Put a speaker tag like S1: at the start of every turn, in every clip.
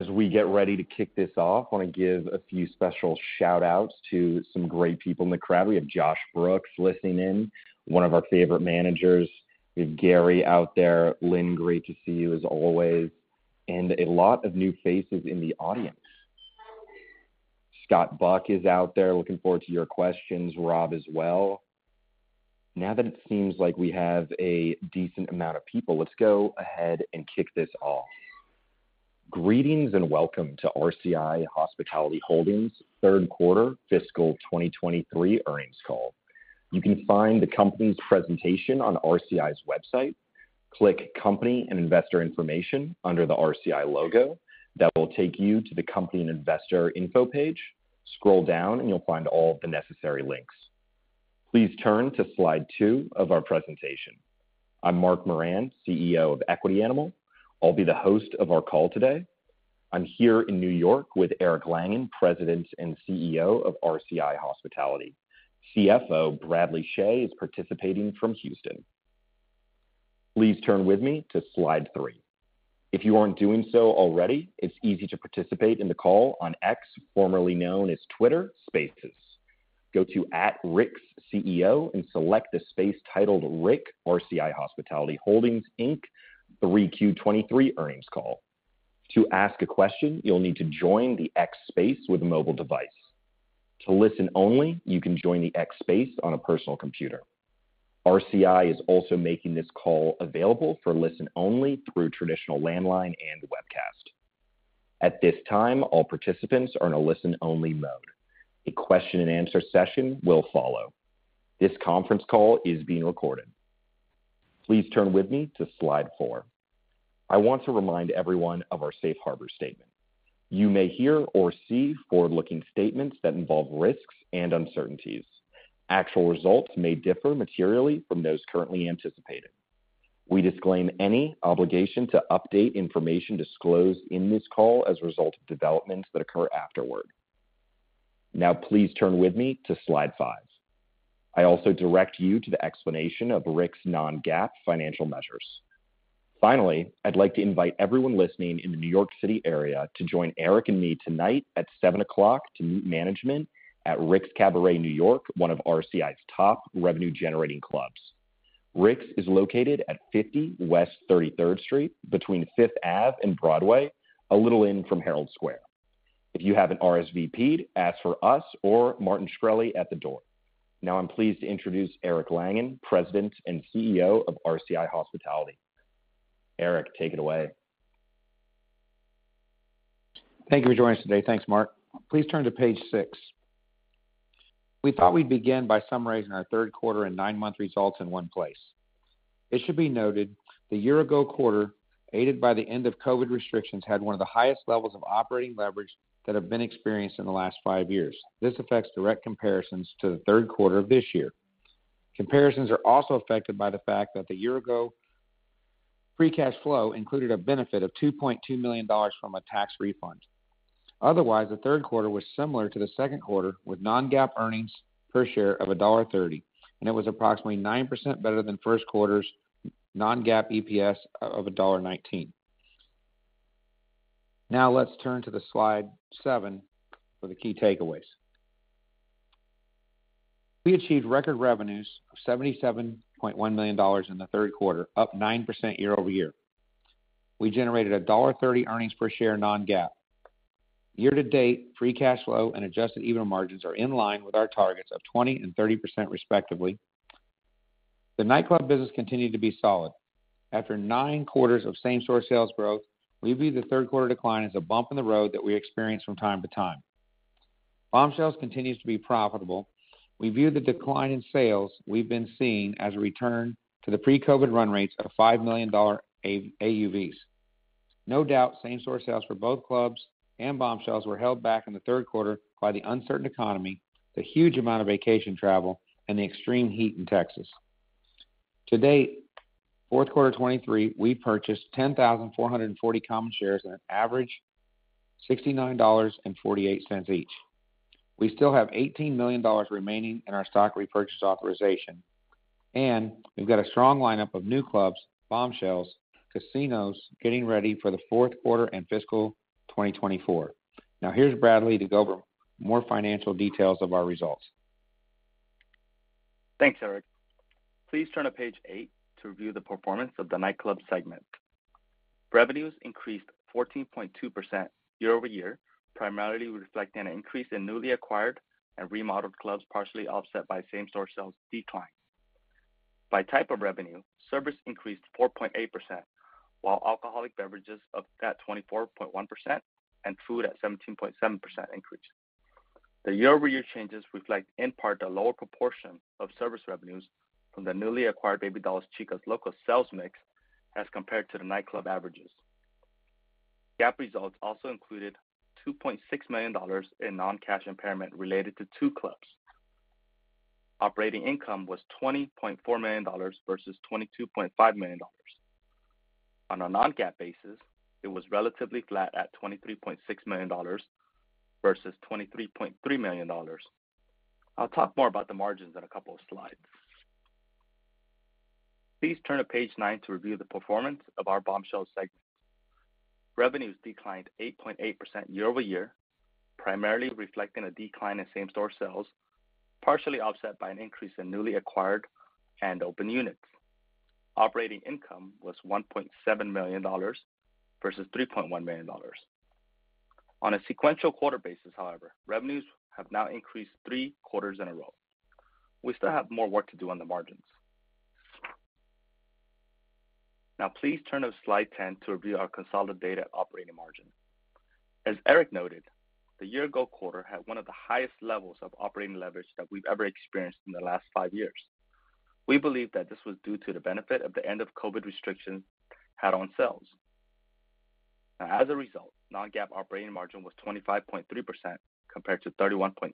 S1: As we get ready to kick this off, I want to give a few special shout-outs to some great people in the crowd. We have Josh Brooks listening in, one of our favorite managers. We have Gary out there. Lynn, great to see you as always, and a lot of new faces in the audience. Scott Buck is out there. Looking forward to your questions. Rob as well. Now that it seems like we have a decent amount of people, let's go ahead and kick this off. Greetings, welcome to RCI Hospitality Holdings third quarter fiscal 2023 earnings call. You can find the company's presentation on RCI's website. Click Company and Investor Information under the RCI logo. That will take you to the Company and Investor info page. Scroll down and you'll find all of the necessary links. Please turn to slide two of our presentation. I'm Mark Moran, CEO of Equity Animal. I'll be the host of our call today. I'm here in New York with Eric Langan, President and CEO of RCI Hospitality. CFO, Bradley Chhay, is participating from Houston. Please turn with me to slide three. If you aren't doing so already, it's easy to participate in the call on X, formerly known as Twitter, Spaces. Go to @RicksCEO and select the space titled RICK RCI Hospitality Holdings Inc. 3Q 2023 Earnings Call. To ask a question, you'll need to join the X Space with a mobile device. To listen only, you can join the X Space on a personal computer. RCI is also making this call available for listen only through traditional landline and webcast. At this time, all participants are in a listen only mode. A question and answer session will follow. This conference call is being recorded. Please turn with me to slide four. I want to remind everyone of our safe harbor statement. You may hear or see forward-looking statements that involve risks and uncertainties. Actual results may differ materially from those currently anticipated. We disclaim any obligation to update information disclosed in this call as a result of developments that occur afterward. Now, please turn with me to slide five. I also direct you to the explanation of RICK's non-GAAP financial measures. Finally, I'd like to invite everyone listening in the New York City area to join Eric and me tonight at 7:00 P.M. to meet management at Rick's Cabaret New York, one of RCI's top revenue-generating clubs. Rick's is located at 50 West Thirty-third Street between Fifth Ave and Broadway, a little in from Herald Square. If you haven't RSVP'd, ask for us or Martin Shkreli at the door. I'm pleased to introduce Eric Langan, President and CEO of RCI Hospitality. Eric, take it away.
S2: Thank you for joining us today. Thanks, Mark. Please turn to page six. We thought we'd begin by summarizing our third quarter and nine-month results in one place. It should be noted, the year ago quarter, aided by the end of COVID restrictions, had one of the highest levels of operating leverage that have been experienced in the last five years. This affects direct comparisons to the third quarter of this year. Comparisons are also affected by the fact that the year-ago free cash flow included a benefit of $2.2 million from a tax refund. Otherwise, the third quarter was similar to the second quarter, with non-GAAP earnings per share of $1.30. It was approximately 9% better than first quarter's non-GAAP EPS of $1.19. Now, let's turn to the slide seven for the key takeaways. We achieved record revenues of $77.1 million in the third quarter, up 9% year-over-year. We generated $1.30 earnings per share non-GAAP. Year-to-date, free cash flow and adjusted EBITDA margins are in line with our targets of 20% and 30%, respectively. The nightclub business continued to be solid. After nine quarters of same-store sales growth, we view the third quarter decline as a bump in the road that we experience from time to time. Bombshells continues to be profitable. We view the decline in sales we've been seeing as a return to the pre-COVID run rates of $5 million AUVs. No doubt, same-store sales for both clubs and Bombshells were held back in the third quarter by the uncertain economy, the huge amount of vacation travel, and the extreme heat in Texas. To date, fourth quarter 2023, we purchased 10,440 common shares at an average $69.48 each. We still have $18 million remaining in our stock repurchase authorization. We've got a strong lineup of new clubs, Bombshells, casinos, getting ready for the fourth quarter and fiscal 2024. Now, here's Bradley to go over more financial details of our results.
S3: Thanks, Eric. Please turn to page eight to review the performance of the Nightclubs segment. Revenues increased 14.2% year-over-year, primarily reflecting an increase in newly acquired and remodeled clubs, partially offset by same-store sales decline. By type of revenue, service increased 4.8%, while alcoholic beverages up at 24.1% and food at 17.7% increase. The year-over-year changes reflect, in part, the lower proportion of service revenues from the newly acquired Baby Dolls and Chicas Locas sales mix as compared to the nightclub averages. GAAP results also included $2.6 million in non-cash impairment related to two clubs. Operating income was $20.4 million versus $22.5 million. On a non-GAAP basis, it was relatively flat at $23.6 million versus $23.3 million. I'll talk more about the margins in a couple of slides. Please turn to page nine to review the performance of our Bombshells segment. Revenues declined 8.8% year-over-year, primarily reflecting a decline in same-store sales, partially offset by an increase in newly acquired and open units. Operating income was $1.7 million versus $3.1 million. On a sequential quarter basis, however, revenues have now increased three quarters in a row. We still have more work to do on the margins. Please turn to slide 10 to review our consolidated data operating margin. As Eric noted, the year ago quarter had one of the highest levels of operating leverage that we've ever experienced in the last five years. We believe that this was due to the benefit of the end of COVID restrictions had on sales. As a result, non-GAAP operating margin was 25.3%, compared to 31.16%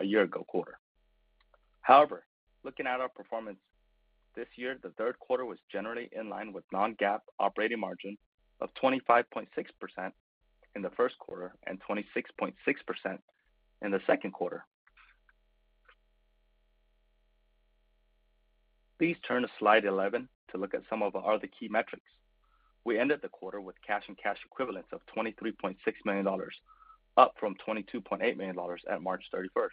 S3: a year ago quarter. Looking at our performance this year, the third quarter was generally in line with non-GAAP operating margin of 25.6% in the first quarter and 26.6% in the second quarter. Please turn to slide 11 to look at some of our other key metrics. We ended the quarter with cash and cash equivalents of $23.6 million, up from $22.8 million at March 31.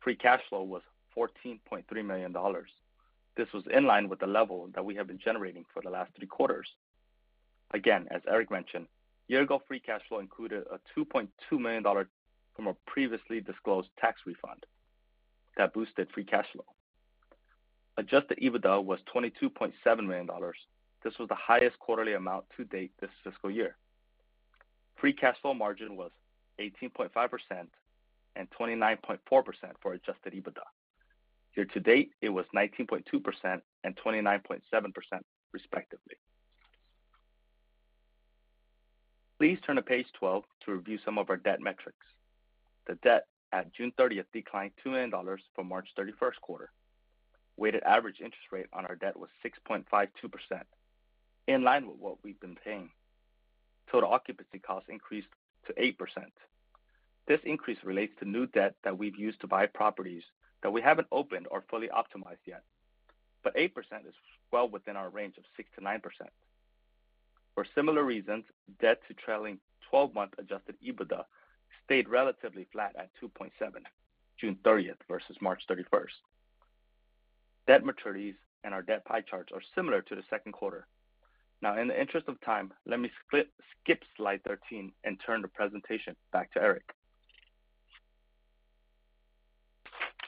S3: Free cash flow was $14.3 million. This was in line with the level that we have been generating for the last three quarters. As Eric mentioned, year ago, free cash flow included a $2.2 million from a previously disclosed tax refund that boosted free cash flow. Adjusted EBITDA was $22.7 million. This was the highest quarterly amount to date this fiscal year. Free cash flow margin was 18.5% and 29.4% for adjusted EBITDA. Year to date, it was 19.2% and 29.7%, respectively. Please turn to page 12 to review some of our debt metrics. The debt at June 30th declined $2 million from March 31st quarter. Weighted average interest rate on our debt was 6.52%, in line with what we've been paying. Total occupancy costs increased to 8%. This increase relates to new debt that we've used to buy properties that we haven't opened or fully optimized yet, but 8% is well within our range of 6%-9%. For similar reasons, debt to trailing 12-month adjusted EBITDA stayed relatively flat at 2.7%, June 30th versus March 31st. Debt maturities and our debt pie charts are similar to the second quarter. In the interest of time, let me skip slide 13 and turn the presentation back to Eric.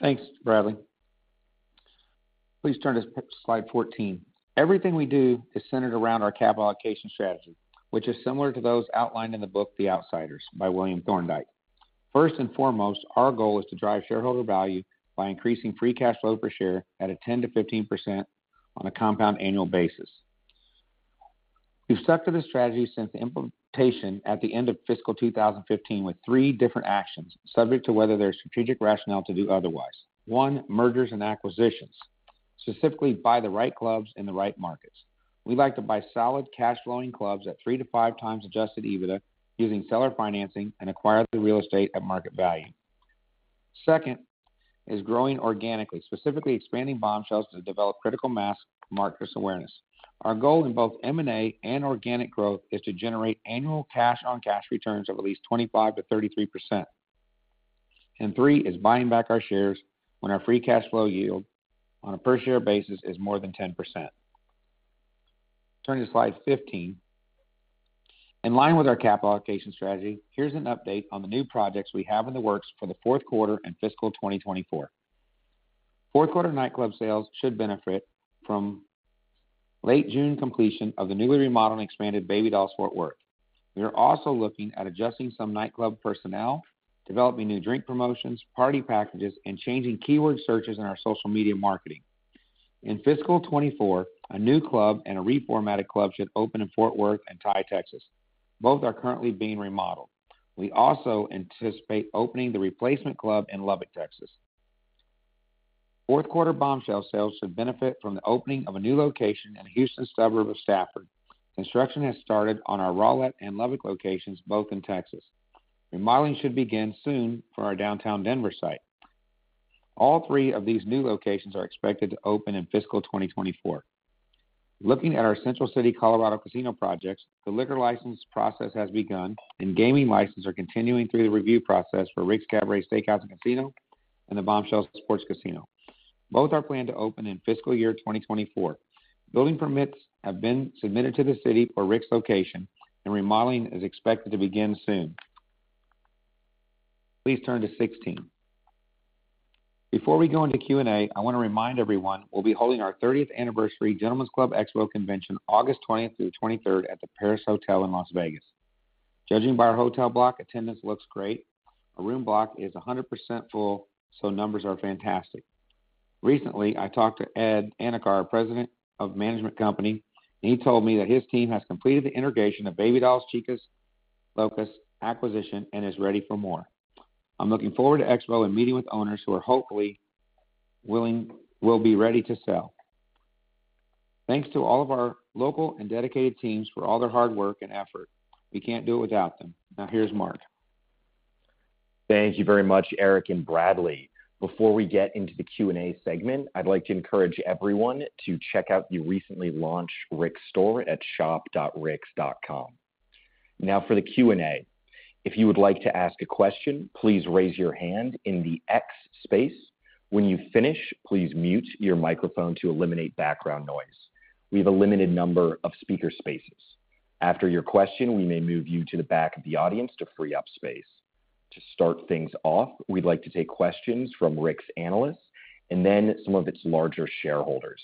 S2: Thanks, Bradley. Please turn to slide 14. Everything we do is centered around our capital allocation strategy, which is similar to those outlined in the book, The Outsiders by William Thorndike. First and foremost, our goal is to drive shareholder value by increasing free cash flow per share at a 10%-15% on a compound annual basis. We've stuck to this strategy since implementation at the end of fiscal 2015, with three different actions, subject to whether there's strategic rationale to do otherwise. One, mergers and acquisitions, specifically, buy the right clubs in the right markets. We like to buy solid cash flowing clubs at 3x-5x adjusted EBITDA, using seller financing and acquire the real estate at market value. Second, is growing organically, specifically expanding Bombshells to develop critical mass, market awareness. Our goal in both M&A and organic growth is to generate annual cash-on-cash returns of at least 25%-33%. Three, is buying back our shares when our free cash flow yield on a per share basis is more than 10%. Turn to slide 15. In line with our capital allocation strategy, here's an update on the new projects we have in the works for the fourth quarter and fiscal 2024. Fourth quarter nightclub sales should benefit from late June completion of the newly remodeled and expanded Baby Dolls Fort Worth. We are also looking at adjusting some nightclub personnel, developing new drink promotions, party packages, and changing keyword searches in our social media marketing. In fiscal 2024, a new club and a reformatted club should open in Fort Worth and Tye, Texas. Both are currently being remodeled. We also anticipate opening the replacement club in Lubbock, Texas. Fourth quarter Bombshells sales should benefit from the opening of a new location in the Houston suburb of Stafford. Construction has started on our Rowlett and Lubbock locations, both in Texas. Remodeling should begin soon for our downtown Denver site. All three of these new locations are expected to open in fiscal 2024. Looking at our Central City, Colorado casino projects, the liquor license process has begun, and gaming licenses are continuing through the review process for Rick's Cabaret Steakhouse Casino and the Bombshells Sports Casino. Both are planned to open in fiscal year 2024. Building permits have been submitted to the city for Rick's location and remodeling is expected to begin soon. Please turn to 16. Before we go into Q&A, I want to remind everyone we'll be holding our 30th anniversary Gentlemen's Club Expo convention, August 20th through the 23rd at the Paris Hotel in Las Vegas. Judging by our hotel block, attendance looks great. Our room block is 100% full. Numbers are fantastic. Recently, I talked to Ed Anakar, President of Management Company. He told me that his team has completed the integration of Baby Dolls Chicas Locas acquisition and is ready for more. I'm looking forward to Expo and meeting with owners who are hopefully willing. Will be ready to sell. Thanks to all of our local and dedicated teams for all their hard work and effort. We can't do it without them. Now, here's Mark.
S1: Thank you very much, Eric and Bradley. Before we get into the Q&A segment, I'd like to encourage everyone to check out the recently launched Rick's store at shop.ricks.com. Now for the Q&A. If you would like to ask a question, please raise your hand in the X Space. When you finish, please mute your microphone to eliminate background noise. We have a limited number of speaker spaces. After your question, we may move you to the back of the audience to free up space. To start things off, we'd like to take questions from Rick's analysts and then some of its larger shareholders.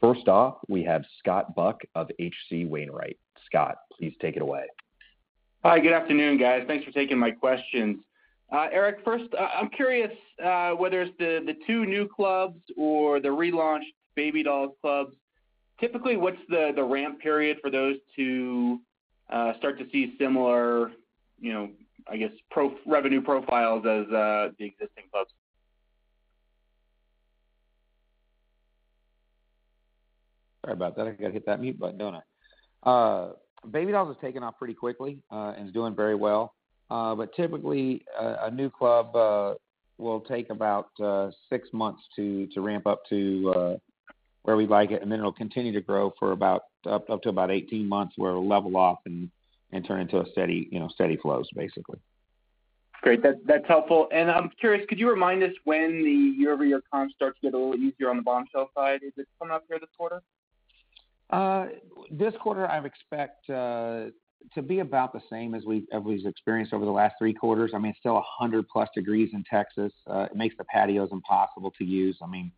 S1: First off, we have Scott Buck of H.C. Wainwright. Scott, please take it away.
S4: Hi, good afternoon, guys. Thanks for taking my questions. Eric, first, I'm curious, whether it's the, the two new clubs or the relaunched Baby Dolls clubs. Typically, what's the, the ramp period for those to start to see similar, you know, I guess, revenue profiles as the existing clubs?
S2: Sorry about that. I got to hit that mute button, don't I? Baby Dolls has taken off pretty quickly and is doing very well. Typically, a new club will take about six months to ramp up to where we like it, and then it'll continue to grow for about up to about 18 months, where it'll level off and turn into a steady, you know, steady flows, basically.
S4: Great. That's, that's helpful. I'm curious, could you remind us when the year-over-year comp starts to get a little easier on the Bombshells side? Is it coming up here this quarter?
S2: This quarter, I've expect to be about the same as we've, as we've experienced over the last three quarters. I mean, it's still 100+ degrees in Texas. It makes the patios impossible to use. I mean,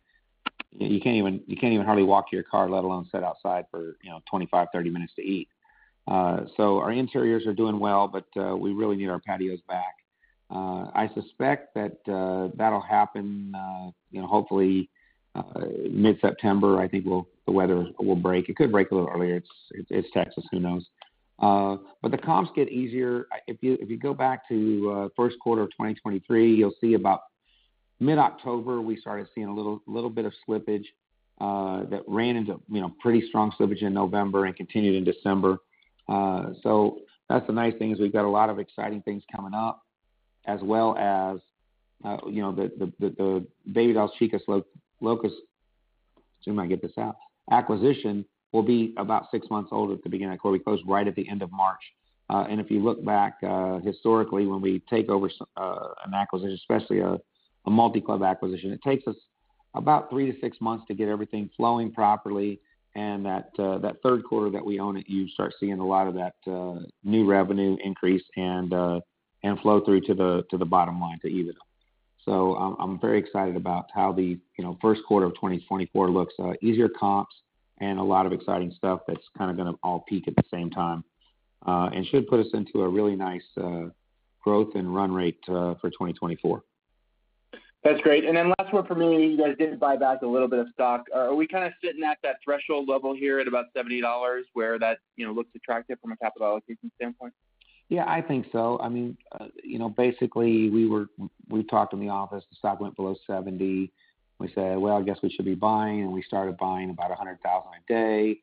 S2: you can't even, you can't even hardly walk to your car, let alone sit outside for, you know, 25, 30 minutes to eat. Our interiors are doing well, we really need our patios back. I suspect that that'll happen, you know, hopefully, mid-September, I think the weather will break. It could break a little earlier. It's, it's Texas, who knows? The comps get easier. If you, if you go back to, first quarter of 2023, you'll see about mid-October, we started seeing a little, little bit of slippage, that ran into, you know, pretty strong slippage in November and continued in December. That's the nice thing, is we've got a lot of exciting things coming up, as well as, you know, the Baby Dolls, Chicas Locas acquisition will be about six months old at the beginning of quarter. We closed right at the end of March. If you look back, historically, when we take over an acquisition, especially a multi-club acquisition, it takes us about three to six months to get everything flowing properly, and that, that third quarter that we own it, you start seeing a lot of that new revenue increase and flow through to the bottom line, to EBITDA. I'm very excited about how the, you know, first quarter of 2024 looks, easier comps and a lot of exciting stuff that's kinda gonna all peak at the same time, and should put us into a really nice growth and run rate for 2024.
S4: That's great. Then last one for me. You guys did buy back a little bit of stock. Are we kinda sitting at that threshold level here at about $70, where that, you know, looks attractive from a capital allocation standpoint?
S2: Yeah, I think so. I mean, you know, basically, we talked in the office, the stock went below $70. We said, "Well, I guess we should be buying," and we started buying about 100,000 a day.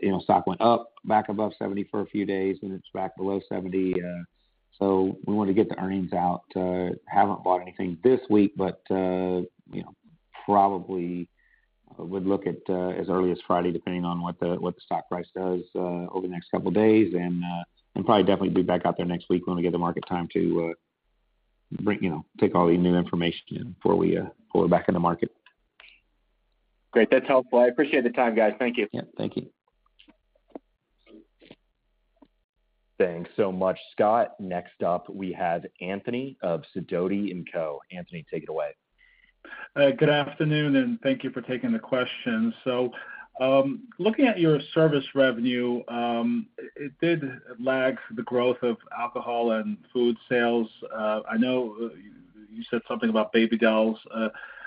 S2: You know, stock went up back above $70 for a few days, and it's back below $70. We want to get the earnings out. Haven't bought anything this week, you know, probably would look at as early as Friday, depending on what the, what the stock price does over the next couple of days, and probably definitely be back out there next week. We want to give the market time to bring, you know, take all the new information in before we pull it back in the market.
S4: Great, that's helpful. I appreciate the time, guys. Thank you.
S2: Yeah, thank you.
S1: Thanks so much, Scott. Next up, we have Anthony of Sidoti & Co. Anthony, take it away.
S5: Good afternoon, and thank you for taking the question. Looking at your service revenue, it did lag the growth of alcohol and food sales. I know you said something about Baby Dolls,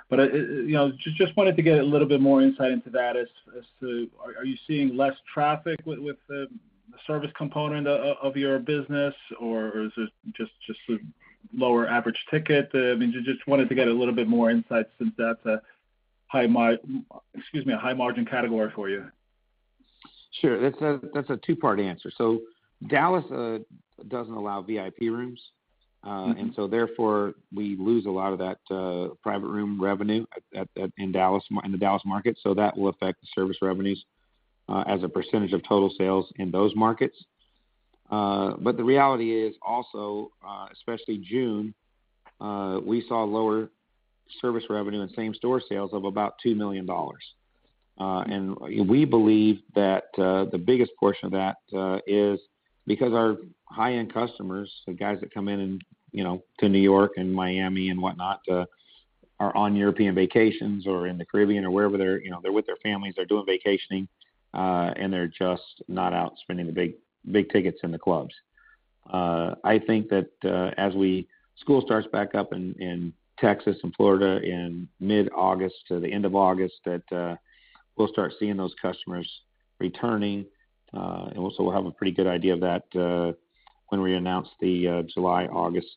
S5: but, you know, just wanted to get a little bit more insight into that as to are you seeing less traffic with the service component of your business, or is it just a lower average ticket? I mean, just wanted to get a little bit more insight since that's a high margin category for you.
S2: Sure. That's a two-part answer. Dallas doesn't allow VIP rooms.
S5: Mm-hmm.
S2: We lose a lot of that private room revenue in Dallas, in the Dallas market. That will affect the service revenues as a percentage of total sales in those markets. The reality is also, especially June, we saw lower service revenue and same-store sales of about $2 million. We believe that the biggest portion of that is because our high-end customers, the guys that come in and, you know, to New York and Miami and whatnot, are on European vacations or in the Caribbean or wherever they're, you know, they're with their families, they're doing vacationing, and they're just not out spending the big, big tickets in the clubs. I think that as school starts back up in Texas and Florida in mid-August to the end of August, that we'll start seeing those customers returning. Also we'll have a pretty good idea of that when we announce the July, August,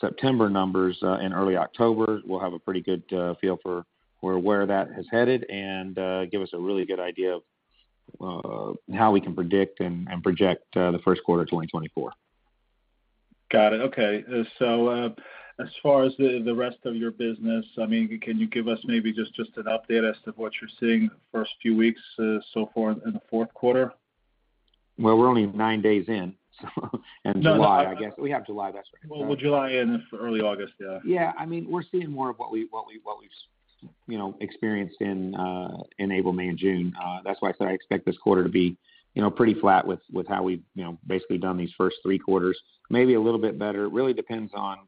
S2: September numbers in early October, we'll have a pretty good feel for where, where that has headed and give us a really good idea of how we can predict and project the first quarter of 2024.
S5: Got it. Okay. As far as the, the rest of your business, I mean, can you give us maybe just, just an update as to what you're seeing the first few weeks, so far in the fourth quarter?
S2: Well, we're only nine days in. July, I guess, we have July, that's right.
S5: Well, July and early August, yeah.
S2: Yeah. I mean, we're seeing more of what we, you know, experienced in April, May, and June. That's why I said I expect this quarter to be, you know, pretty flat with, with how we've, you know, basically done these first three quarters. Maybe a little bit better. It really depends on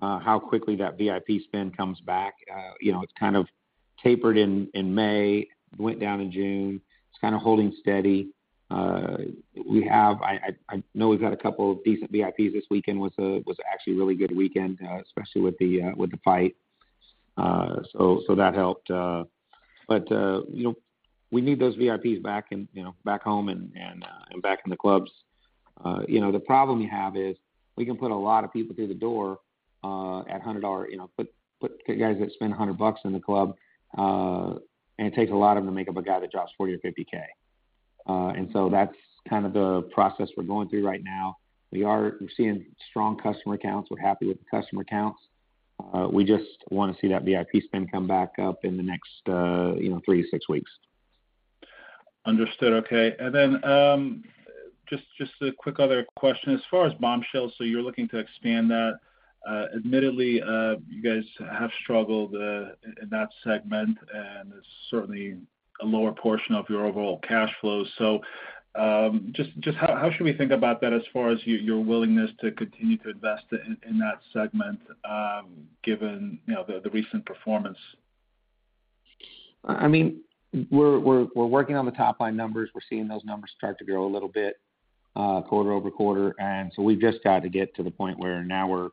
S2: how quickly that VIP spend comes back. You know, it's kinda tapered in, in May, went down in June. It's kinda holding steady. I know we've had a couple of decent VIPs. This weekend was actually a really good weekend, especially with the fight. That helped. You know, we need those VIPs back in, you know, back home and, and back in the clubs. You know, the problem we have is, we can put a lot of people through the door, at $100, you know, put, put guys that spend $100 in the club, and it takes a lot of them to make up a guy that drops $40K or $50K. So that's kind of the process we're going through right now. We're seeing strong customer counts. We're happy with the customer counts. We just wanna see that VIP spend come back up in the next, you know, three to six weeks.
S5: Understood. Okay. Just, just a quick other question. As far as Bombshells, you're looking to expand that. Admittedly, you guys have struggled in that segment, and it's certainly a lower portion of your overall cash flow. Just, just how, how should we think about that as far as your, your willingness to continue to invest in, in that segment, given, you know, the recent performance?
S2: I mean, we're working on the top-line numbers. We're seeing those numbers start to grow a little bit, quarter-over-quarter, so we've just got to get to the point where now we're,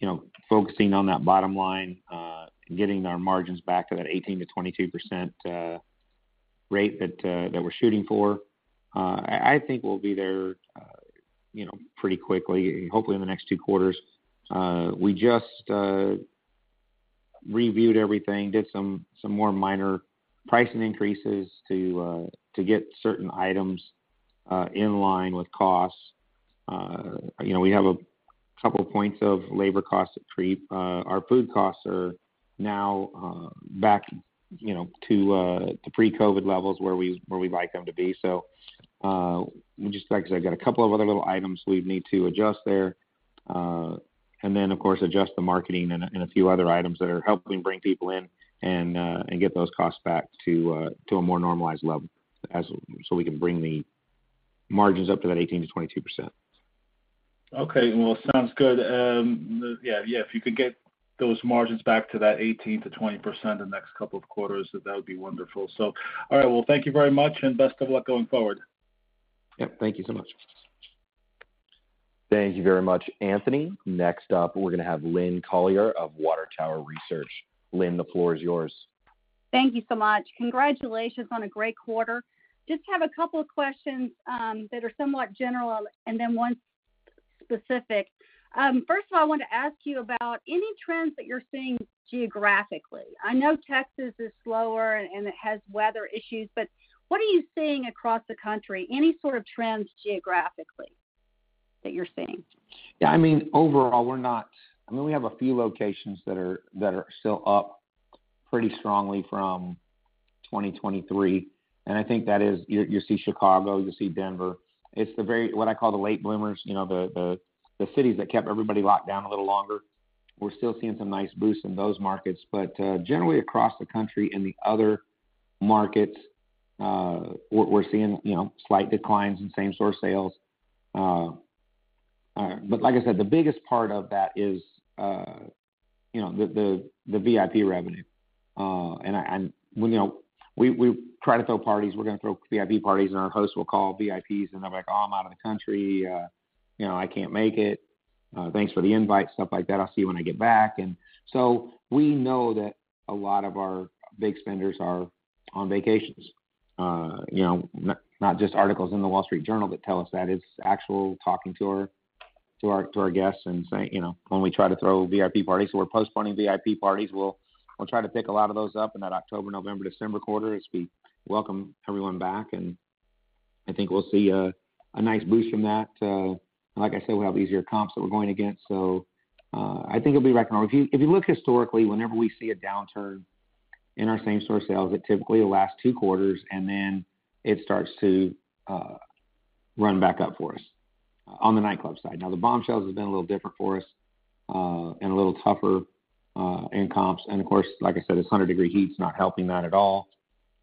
S2: you know, focusing on that bottom line, getting our margins back to that 18%-22% rate that we're shooting for. I think we'll be there, you know, pretty quickly, hopefully in the next two quarters. We just reviewed everything, did some more minor pricing increases to get certain items in line with costs. You know, we have a couple of points of labor costs to creep. Our food costs are now back, you know, to pre-COVID levels, where we'd like them to be. We just, like I said, got a couple of other little items we need to adjust there. Of course, adjust the marketing and a, and a few other items that are helping bring people in and get those costs back to to a more normalized level as, so we can bring the margins up to that 18%-22%.
S5: Okay. Well, sounds good. Yeah, yeah, if you could get those margins back to that 18%-20% in the next couple of quarters, that would be wonderful. All right, well, thank you very much, and best of luck going forward.
S2: Yep, thank you so much.
S1: Thank you very much, Anthony. Next up, we're gonna have Lynn Collier of Water Tower Research. Lynn, the floor is yours.
S6: Thank you so much. Congratulations on a great quarter. Just have a couple of questions that are somewhat general and then one specific. First of all, I want to ask you about any trends that you're seeing geographically. I know Texas is slower and it has weather issues, but what are you seeing across the country? Any sort of trends geographically that you're seeing?
S2: Yeah, overall, we have a few locations that are still up pretty strongly from 2023, and I think that is, you, you see Chicago, you see Denver. It's the very, what I call the late bloomers, you know, the cities that kept everybody locked down a little longer. We're still seeing some nice boosts in those markets, but generally across the country, in the other markets, we're seeing, you know, slight declines in same-store sales. Like I said, the biggest part of that is, you know, the VIP revenue. I, and, you know, we try to throw parties. We're gonna throw VIP parties, and our host will call VIPs, and they're like, "Oh, I'm out of the country." "You know, I can't make it. Thanks for the invite," stuff like that. "I'll see you when I get back." We know that a lot of our big spenders are on vacations. You know, not just articles in the Wall Street Journal that tell us that, it's actual talking to our, to our, to our guests and saying, you know, when we try to throw VIP parties. We're postponing VIP parties. We'll, we'll try to pick a lot of those up in that October, November, December quarter as we welcome everyone back, and I think we'll see a, a nice boost from that. Like I said, we'll have easier comps that we're going against, so I think it'll be recognized. If you, if you look historically, whenever we see a downturn in our same-store sales, it typically will last two quarters, and then it starts to run back up for us on the nightclub side. Now, the Bombshells has been a little different for us, and a little tougher in comps. Of course, like I said, this 100-degree heat is not helping that at all,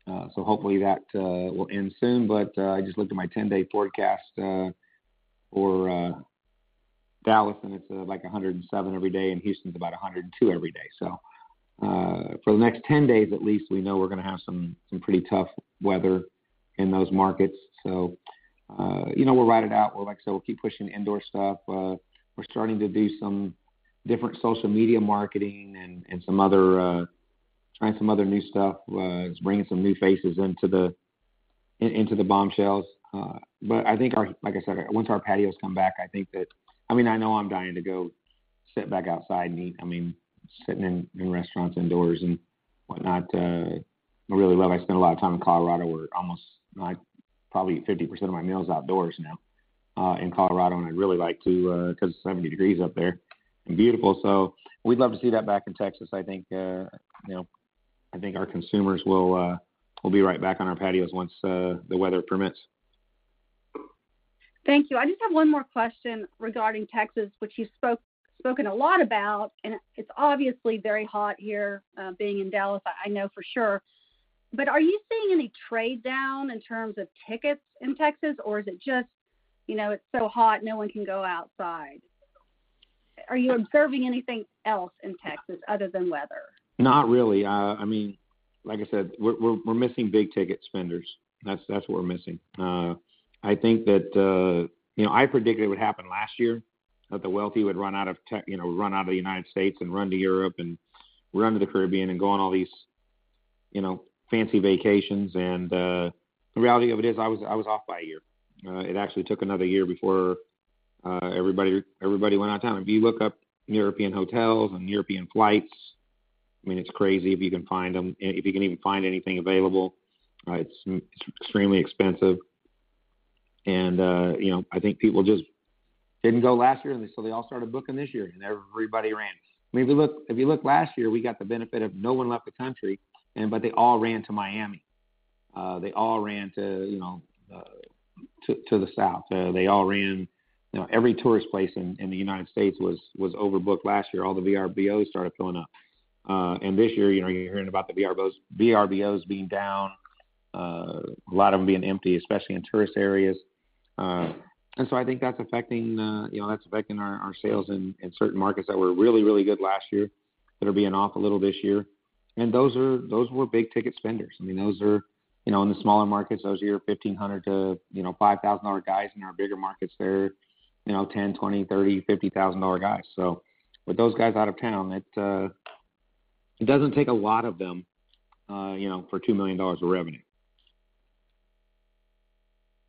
S2: so hopefully that will end soon. I just looked at my 10-day forecast for Dallas, and it's like 107 every day, and Houston's about 102 every day. For the next 10 days at least, we know we're gonna have some, some pretty tough weather in those markets. You know, we'll ride it out. Like I said, we'll keep pushing indoor stuff. We're starting to do some different social media marketing and some other, trying some other new stuff, just bringing some new faces into the Bombshells. I think our, like I said, once our patios come back, I think that. I mean, I know I'm dying to go sit back outside and eat. I mean, sitting in, in restaurants, indoors and whatnot, I really love. I spend a lot of time in Colorado, where almost, like, probably 50% of my meal's outdoors now, in Colorado, and I really like to, because it's 70 degrees up there and beautiful. We'd love to see that back in Texas. I think, you know, I think our consumers will be right back on our patios once the weather permits.
S6: Thank you. I just have one more question regarding Texas, which you've spoken a lot about. It's obviously very hot here, being in Dallas, I know for sure. Are you seeing any trade down in terms of tickets in Texas, or is it just, you know, it's so hot, no one can go outside? Are you observing anything else in Texas other than weather?
S2: Not really. I mean, like I said, we're, we're, we're missing big ticket spenders. That's, that's what we're missing. I think that, you know, I predicted it would happen last year, that the wealthy would run out of, you know, run out of the United States and run to Europe and run to the Caribbean and go on all these, you know, fancy vacations. The reality of it is, I was, I was off by a year. It actually took another year before everybody, everybody went out of town. If you look up European hotels and European flights, I mean, it's crazy if you can find them. If you can even find anything available, it's, it's extremely expensive. You know, I think people just didn't go last year, and so they all started booking this year, and everybody ran. I mean, if you look, if you look last year, we got the benefit of no one left the country, and but they all ran to Miami. They all ran to, you know, to, to the South. They all ran. You know, every tourist place in, in the United States was, was overbooked last year. All the VRBOs started filling up. This year, you know, you're hearing about the VRBOs, VRBOs being down, a lot of them being empty, especially in tourist areas. So I think that's affecting, you know, that's affecting our, our sales in, in certain markets that were really, really good last year. That are being off a little this year. Those were big-ticket spenders. I mean, those are, you know, in the smaller markets, those are your $1,500 to, you know, $5,000 guys. In our bigger markets, they're, you know, $10,000, $20,000, $30,000, $50,000 guys. With those guys out of town, it, it doesn't take a lot of them, you know, for $2 million of revenue.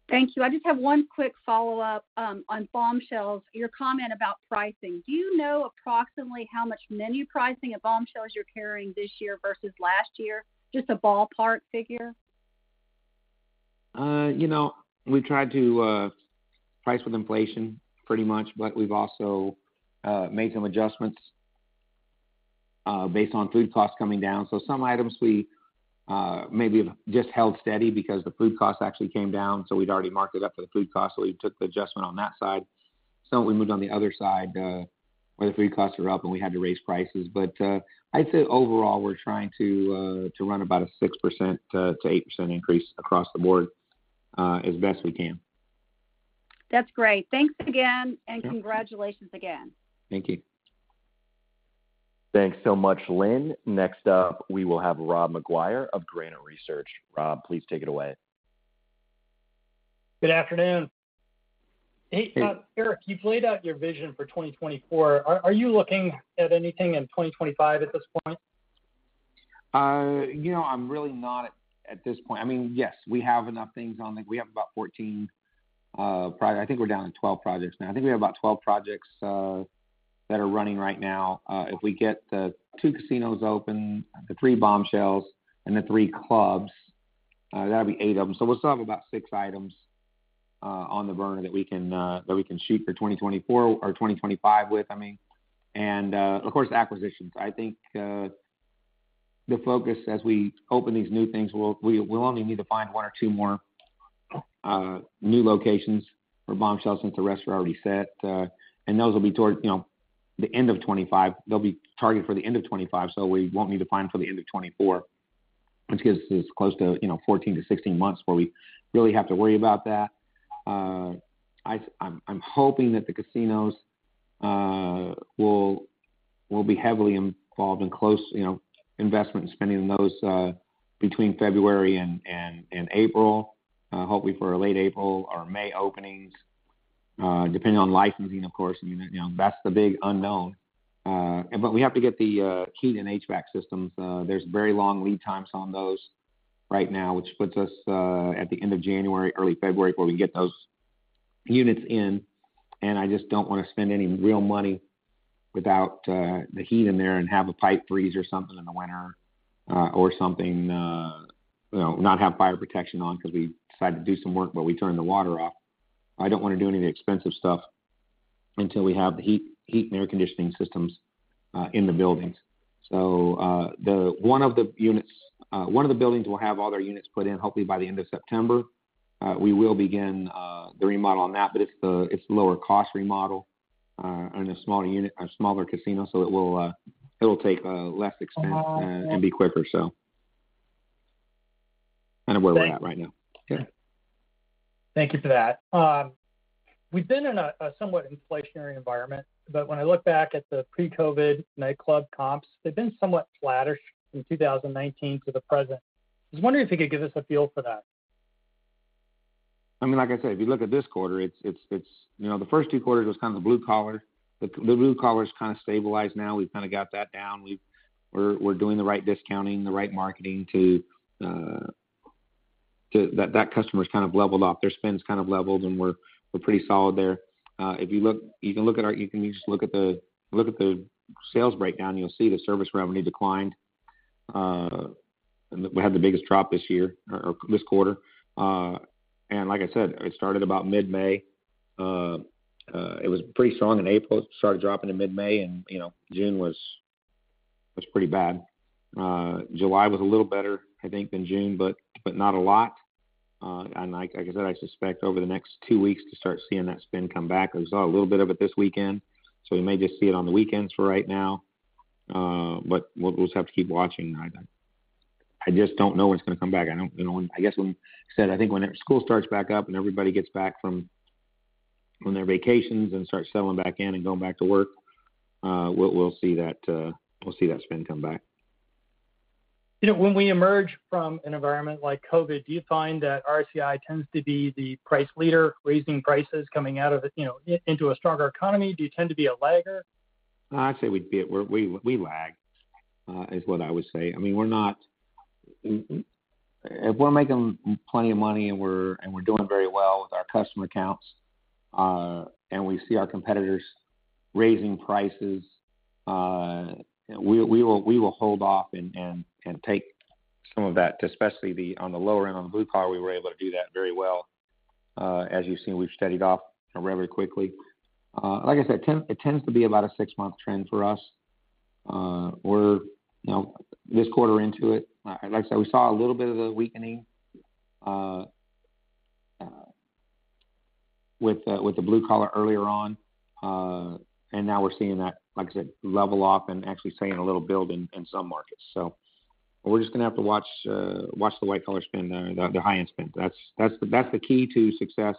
S6: Thank you. I just have one quick follow-up, on Bombshells, your comment about pricing. Do you know approximately how much menu pricing at Bombshells you're carrying this year versus last year? Just a ballpark figure.
S2: You know, we tried to price with inflation pretty much, but we've also made some adjustments based on food costs coming down. Some items we maybe have just held steady because the food cost actually came down, so we'd already marked it up for the food cost, so we took the adjustment on that side. Some we moved on the other side, where the food costs were up, and we had to raise prices. I'd say overall, we're trying to run about a 6%-8% increase across the board as best we can.
S6: That's great. Thanks again, and-
S2: Yeah.
S6: congratulations again.
S2: Thank you.
S1: Thanks so much, Lynn. Next up, we will have Rob Maguire of Granite Research. Rob, please take it away.
S7: Good afternoon.
S2: Hey.
S7: Eric, you've laid out your vision for 2024. Are, are you looking at anything in 2025 at this point?
S2: You know, I'm really not at, at this point. I mean, yes, we have enough things on the... We have about 14 project, I think we're down to 12 projects now. I think we have about 12 projects that are running right now. If we get the two casinos open, the three Bombshells, and the three clubs, that'll be eight of them. We'll still have about six items on the burner that we can that we can shoot for 2024 or 2025 with, I mean, and, of course, acquisitions. I think the focus as we open these new things, we'll, we, we'll only need to find one or two more new locations for Bombshells since the rest are already set. And those will be towards, you know, the end of 2025. They'll be targeted for the end of 2025. We won't need to find for the end of 2024, which gives us close to, you know, 14-16 months where we really have to worry about that. I'm hoping that the casinos will be heavily involved in close, you know, investment spending in those between February and April. Hopefully for a late April or May openings, depending on licensing, of course. I mean, you know, that's the big unknown. We have to get the heat and HVAC systems. There's very long lead times on those right now, which puts us at the end of January, early February, where we get those units in, and I just don't want to spend any real money without the heat in there and have a pipe freeze or something in the winter, or something, you know, not have fire protection on because we decided to do some work, but we turned the water off. I don't want to do any of the expensive stuff until we have the heat, heat, and air conditioning systems in the buildings. One of the buildings will have all their units put in, hopefully, by the end of September. We will begin the remodel on that, but it's the, it's lower cost remodel and a smaller unit or smaller casino, so it will, it'll take less expense-
S7: Uh-huh....
S2: be quicker. kind of where we're at right now. Yeah.
S7: Thank you for that. We've been in a somewhat inflationary environment, but when I look back at the pre-COVID nightclub comps, they've been somewhat flattish from 2019 to the present. I was wondering if you could give us a feel for that?
S2: I mean, like I said, if you look at this quarter, it's, you know, the first two quarters was kind of the blue collar. The blue collar is kind of stabilized now. We've kind of got that down. We're doing the right discounting, the right marketing to that customer's kind of leveled off. Their spend's kind of leveled, and we're pretty solid there. If you just look at the sales breakdown, you'll see the service revenue declined. We had the biggest drop this year or this quarter. Like I said, it started about mid-May. It was pretty strong in April. It started dropping in mid-May, and, you know, June was pretty bad. July was a little better, I think, than June, but, but not a lot. Like, like I said, I suspect over the next two weeks to start seeing that spend come back. I saw a little bit of it this weekend, so we may just see it on the weekends for right now, but we'll, we'll just have to keep watching. I, I just don't know when it's gonna come back. I think when school starts back up and everybody gets back from, from their vacations and starts settling back in and going back to work, we'll, we'll see that, we'll see that spend come back.
S7: You know, when we emerge from an environment like COVID, do you find that RCI tends to be the price leader, raising prices, coming out of it, you know, into a stronger economy? Do you tend to be a lagger?
S2: Actually, we'd be, we, we lag, is what I would say. I mean, we're not, if we're making plenty of money, and we're, and we're doing very well with our customer counts, and we see our competitors raising prices, we, we will, we will hold off and, and, and take some of that, especially the, on the lower end, on the blue collar, we were able to do that very well. As you've seen, we've steadied off rather quickly. Like I said, it tends to be about a six-month trend for us. We're, you know, this quarter into it. Like I said, we saw a little bit of the weakening with the blue-collar earlier on, and now we're seeing that, like I said, level off and actually seeing a little build in some markets. We're just gonna have to watch the white-collar spend there, the high-end spend. That's, that's the, that's the key to success,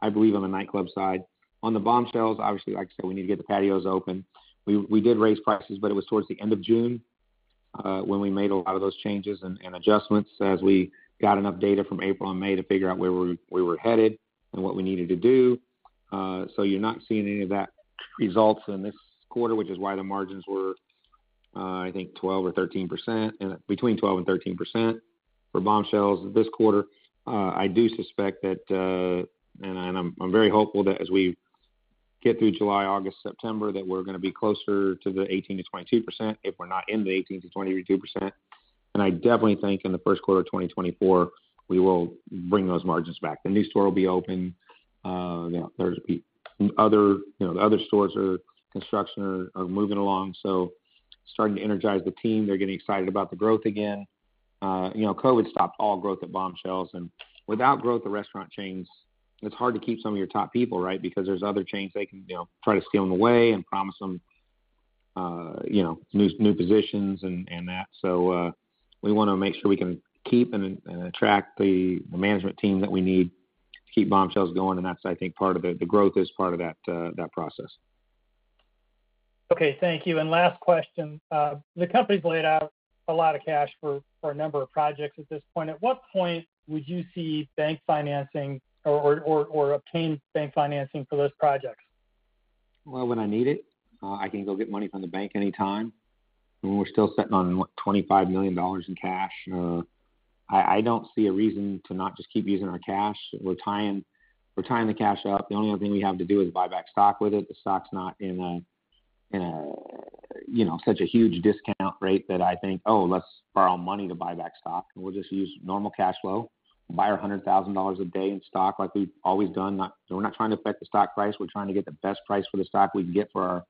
S2: I believe, on the nightclub side. On the Bombshells, obviously, like I said, we need to get the patios open. We did raise prices, but it was towards the end of June when we made a lot of those changes and adjustments as we got enough data from April and May to figure out where we were headed and what we needed to do. So you're not seeing any of that results in this quarter, which is why the margins were, I think 12% or 13%, and between 12% and 13% for Bombshells this quarter. I do suspect that, and I, I'm very hopeful that as we get through July, August, September, that we're gonna be closer to the 18%-22%, if we're not in the 18%-22%. I definitely think in the first quarter of 2024, we will bring those margins back. The new store will be open. You know, there's other, you know, the other stores are construction are, are moving along, so starting to energize the team. They're getting excited about the growth again. You know, COVID stopped all growth at Bombshells, without growth at restaurant chains, it's hard to keep some of your top people, right? Because there's other chains they can, you know, try to steal them away and promise them, you know, new, new positions and, and that. We wanna make sure we can keep and, and attract the management team that we need to keep Bombshells going. That's, I think, part of it. The growth is part of that process.
S7: Okay, thank you. Last question. The company's laid out a lot of cash for a number of projects at this point. At what point would you see bank financing or obtain bank financing for those projects?
S2: Well, when I need it, I can go get money from the bank anytime. When we're still sitting on, what, $25 million in cash, I, I don't see a reason to not just keep using our cash. We're tying, we're tying the cash up. The only other thing we have to do is buy back stock with it. The stock's not in a, in a, you know, such a huge discount rate that I think, "Oh, let's borrow money to buy back stock." We'll just use normal cash flow, buy our $100,000 a day in stock like we've always done. We're not trying to affect the stock price. We're trying to get the best price for the stock we can get for our,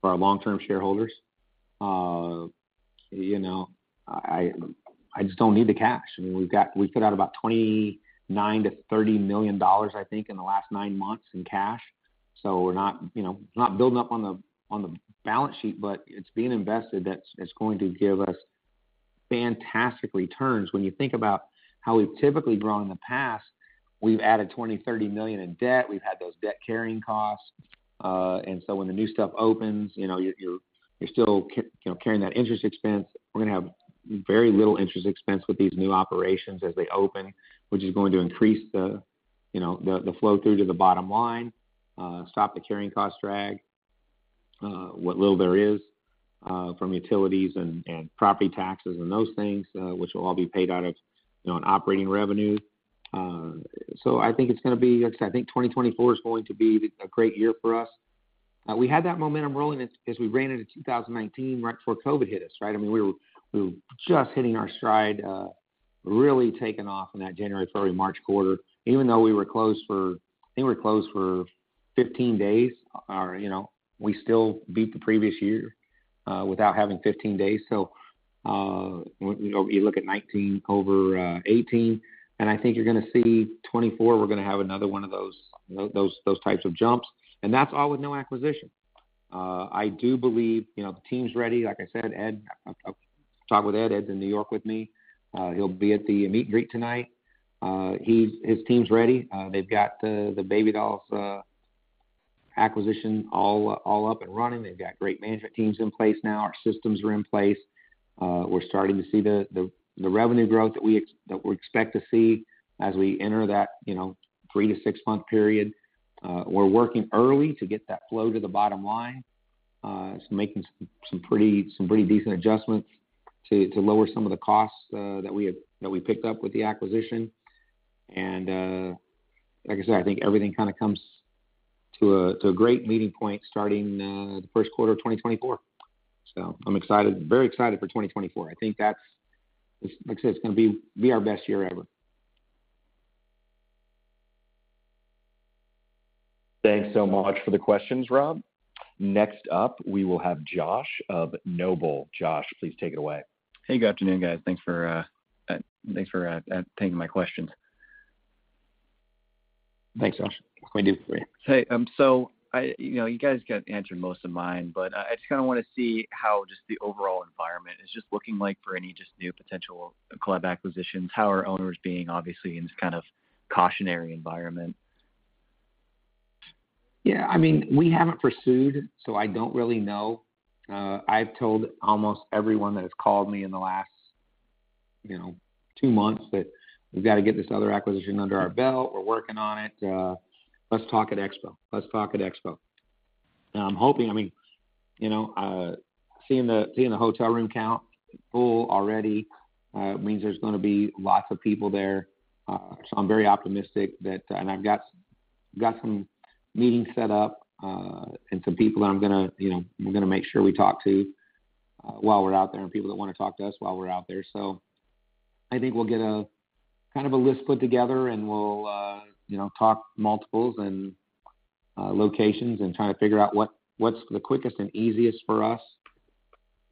S2: for our long-term shareholders. You know, I, I just don't need the cash. I mean, we put out about $29 million-$30 million, I think, in the last nine months in cash. We're not, you know, not building up on the, on the balance sheet, but it's being invested. That's. It's going to give us fantastic returns. When you think about how we've typically grown in the past, we've added $20 million-$30 million in debt. We've had those debt-carrying costs. When the new stuff opens, you know, you're, you're still, you know, carrying that interest expense. We're gonna have very little interest expense with these new operations as they open, which is going to increase the, you know, the, the flow-through to the bottom line, stop the carrying cost drag, what little there is, from utilities and, and property taxes and those things, which will all be paid out of, you know, operating revenue. Like I said, I think 2024 is going to be a great year for us. We had that momentum rolling as, as we ran into 2019 right before COVID hit us, right? I mean, we were, we were just hitting our stride, really taking off in that January, February, March quarter. Even though we were closed for, I think we were closed for 15 days, you know, we still beat the previous year, without having 15 days. When, you know, you look at 2019 over 18, and I think you're gonna see 2024, we're gonna have another one of those, those, those types of jumps, and that's all with no acquisition. I do believe, you know, the team's ready. Like I said, Ed, I, I talked with Ed. Ed's in New York with me. He'll be at the meet and greet tonight. His team's ready. They've got the, the Baby Dolls acquisition all, all up and running. They've got great management teams in place now. Our systems are in place. We're starting to see the revenue growth that we expect to see as we enter that, you know, three to six-month period. We're working early to get that flow to the bottom line. Making some pretty decent adjustments to lower some of the costs that we picked up with the acquisition. Like I said, I think everything kinda comes to a great meeting point starting the first quarter of 2024. I'm excited, very excited for 2024. I think that's. Like I said, it's gonna be our best year ever.
S1: Thanks so much for the questions, Rob. Next up, we will have Josh of Noble. Josh, please take it away.
S8: Hey, good afternoon, guys. Thanks for, thanks for taking my questions.
S2: Thanks, Josh. We do appreciate.
S8: Hey, I, you know, you guys kind of answered most of mine, but, I just kinda wanna see how just the overall environment is just looking like for any just new potential club acquisitions. How are owners being, obviously, in this kind of cautionary environment?
S2: Yeah, I mean, we haven't pursued, so I don't really know. I've told almost everyone that has called me in the last, you know, two months that we've got to get this other acquisition under our belt. We're working on it. Let's talk at Expo. Let's talk at Expo. I'm hoping, I mean, you know, seeing the, seeing the hotel room count full already, means there's gonna be lots of people there. So I'm very optimistic that. I've got, got some meetings set up, and some people that I'm gonna, you know, we're gonna make sure we talk to, while we're out there, and people that wanna talk to us while we're out there. I think we'll get a kind of a list put together, and we'll, you know, talk multiples and locations and try to figure out what's the quickest and easiest for us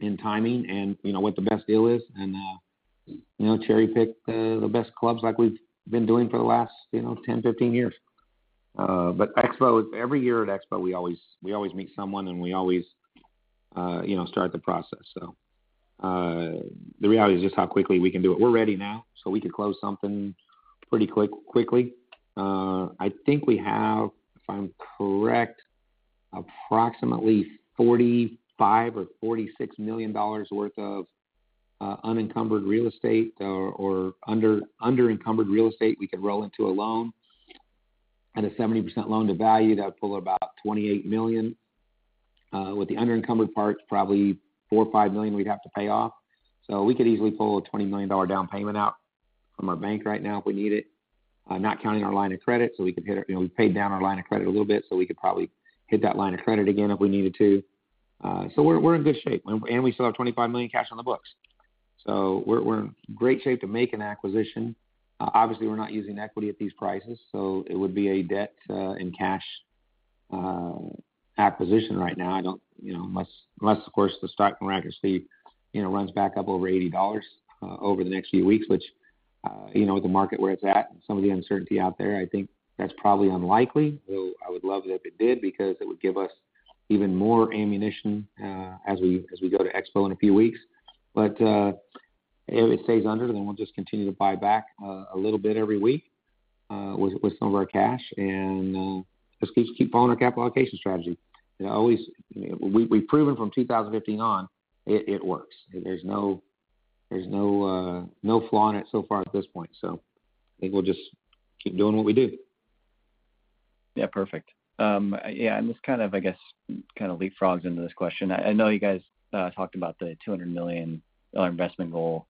S2: in timing and, you know, what the best deal is, and, you know, cherry-pick the best clubs like we've been doing for the last, you know, 10, 15 years. But Expo, every year at Expo, we always, we always meet someone, and we always, you know, start the process. The reality is just how quickly we can do it. We're ready now, so we could close something pretty quick, quickly. I think we have, if I'm correct, approximately $45 million or $46 million worth of unencumbered real estate or underencumbered real estate we could roll into a loan. At a 70% loan to value, that would pull about $28 million. With the underencumbered part, probably $4 million-$5 million we'd have to pay off, so we could easily pull a $20 million down payment out from our bank right now if we need it. Not counting our line of credit, so we could hit it. You know, we paid down our line of credit a little bit, so we could probably hit that line of credit again if we needed to. We're, we're in good shape, and, and we still have $25 million cash on the books. We're, we're in great shape to make an acquisition. Obviously, we're not using equity at these prices, so it would be a debt, in cash, acquisition right now. I don't... You know, unless, unless, of course, the stock miraculously, you know, runs back up over $80 over the next few weeks, which, you know, with the market where it's at and some of the uncertainty out there, I think that's probably unlikely, though I would love it if it did, because it would give us even more ammunition as we, as we go to Expo in a few weeks. If it stays under, then we'll just continue to buy back a little bit every week with, with some of our cash and just keep, keep following our capital allocation strategy. It always. We've proven from 2015 on, it, it works. There's no, there's no flaw in it so far at this point, so I think we'll just keep doing what we do.
S8: Yeah, perfect. This kind of, I guess, kind of leapfrogs into this question. I, I know you guys talked about the $200 million investment goal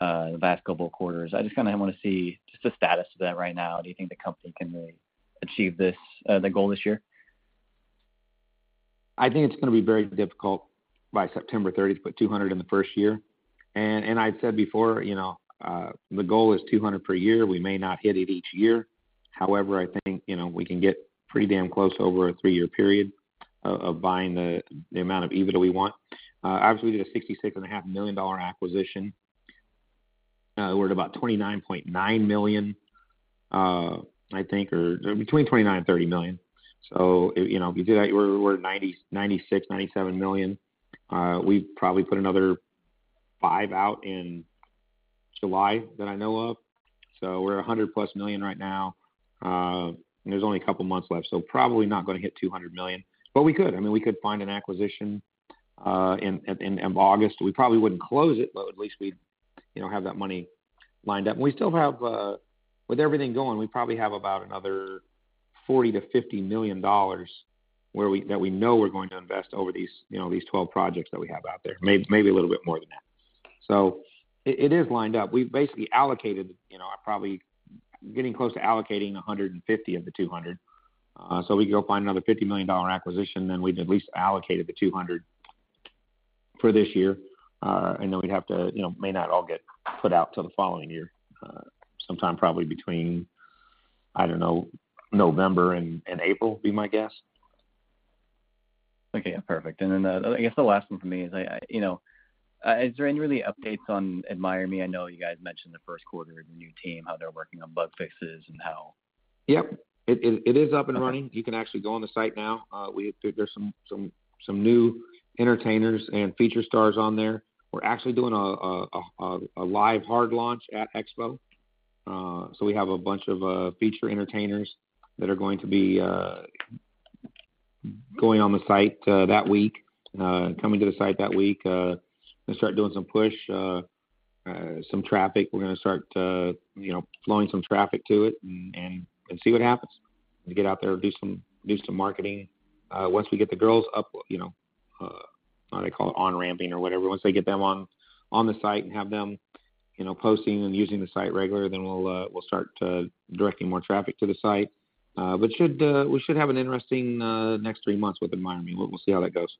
S8: the past couple of quarters. I just kinda wanna see just the status of that right now. Do you think the company can really achieve this the goal this year?
S2: I think it's gonna be very difficult by September 30th to put $200 million in the first year. I'd said before, you know, the goal is $200 million per year. We may not hit it each year. However, I think, you know, we can get pretty damn close over a three-year period of buying the amount of EBITDA we want. Obviously, we did a $66.5 million acquisition. We're at about $29.9 million, I think, or between $29 million and $30 million. You know, we did that. We're $96 million-$97 million. We probably put another $5 million out in July that I know of, so we're +$100 million right now. There's only a couple of months left, so probably not gonna hit $200 million, but we could. I mean, we could find an acquisition in, in, in August. We probably wouldn't close it, but at least we'd, you know, have that money lined up. We still have with everything going, we probably have about another $40 million-$50 million that we know we're going to invest over these, you know, these 12 projects that we have out there. Maybe a little bit more than that. It is lined up. We've basically allocated, you know, probably getting close to allocating $150 of the $200. We can go find another $50 million acquisition, then we've at least allocated the $200 for this year. We'd have to, you know, may not all get put out till the following year, sometime probably between, I don't know, November and, and April, be my guess.
S8: Okay, perfect. I guess the last one for me is, You know, is there any really updates on AdmireMe? I know you guys mentioned the first quarter, the new team, how they're working on bug fixes and how…
S2: Yep, it, it, it is up and running.
S8: Okay.
S2: You can actually go on the site now. There's some new entertainers and feature stars on there. We're actually doing a live hard launch at Expo. We have a bunch of feature entertainers that are going to be going on the site that week, coming to the site that week, and start doing some push, some traffic. We're gonna start, you know, flowing some traffic to it and see what happens, and get out there and do some marketing. Once we get the girls up, you know, what do they call it? On-ramping or whatever, once they get them on the site and have them, you know, posting and using the site regularly, then we'll start directing more traffic to the site. Should we should have an interesting next three months with AdmireMe. We'll see how that goes.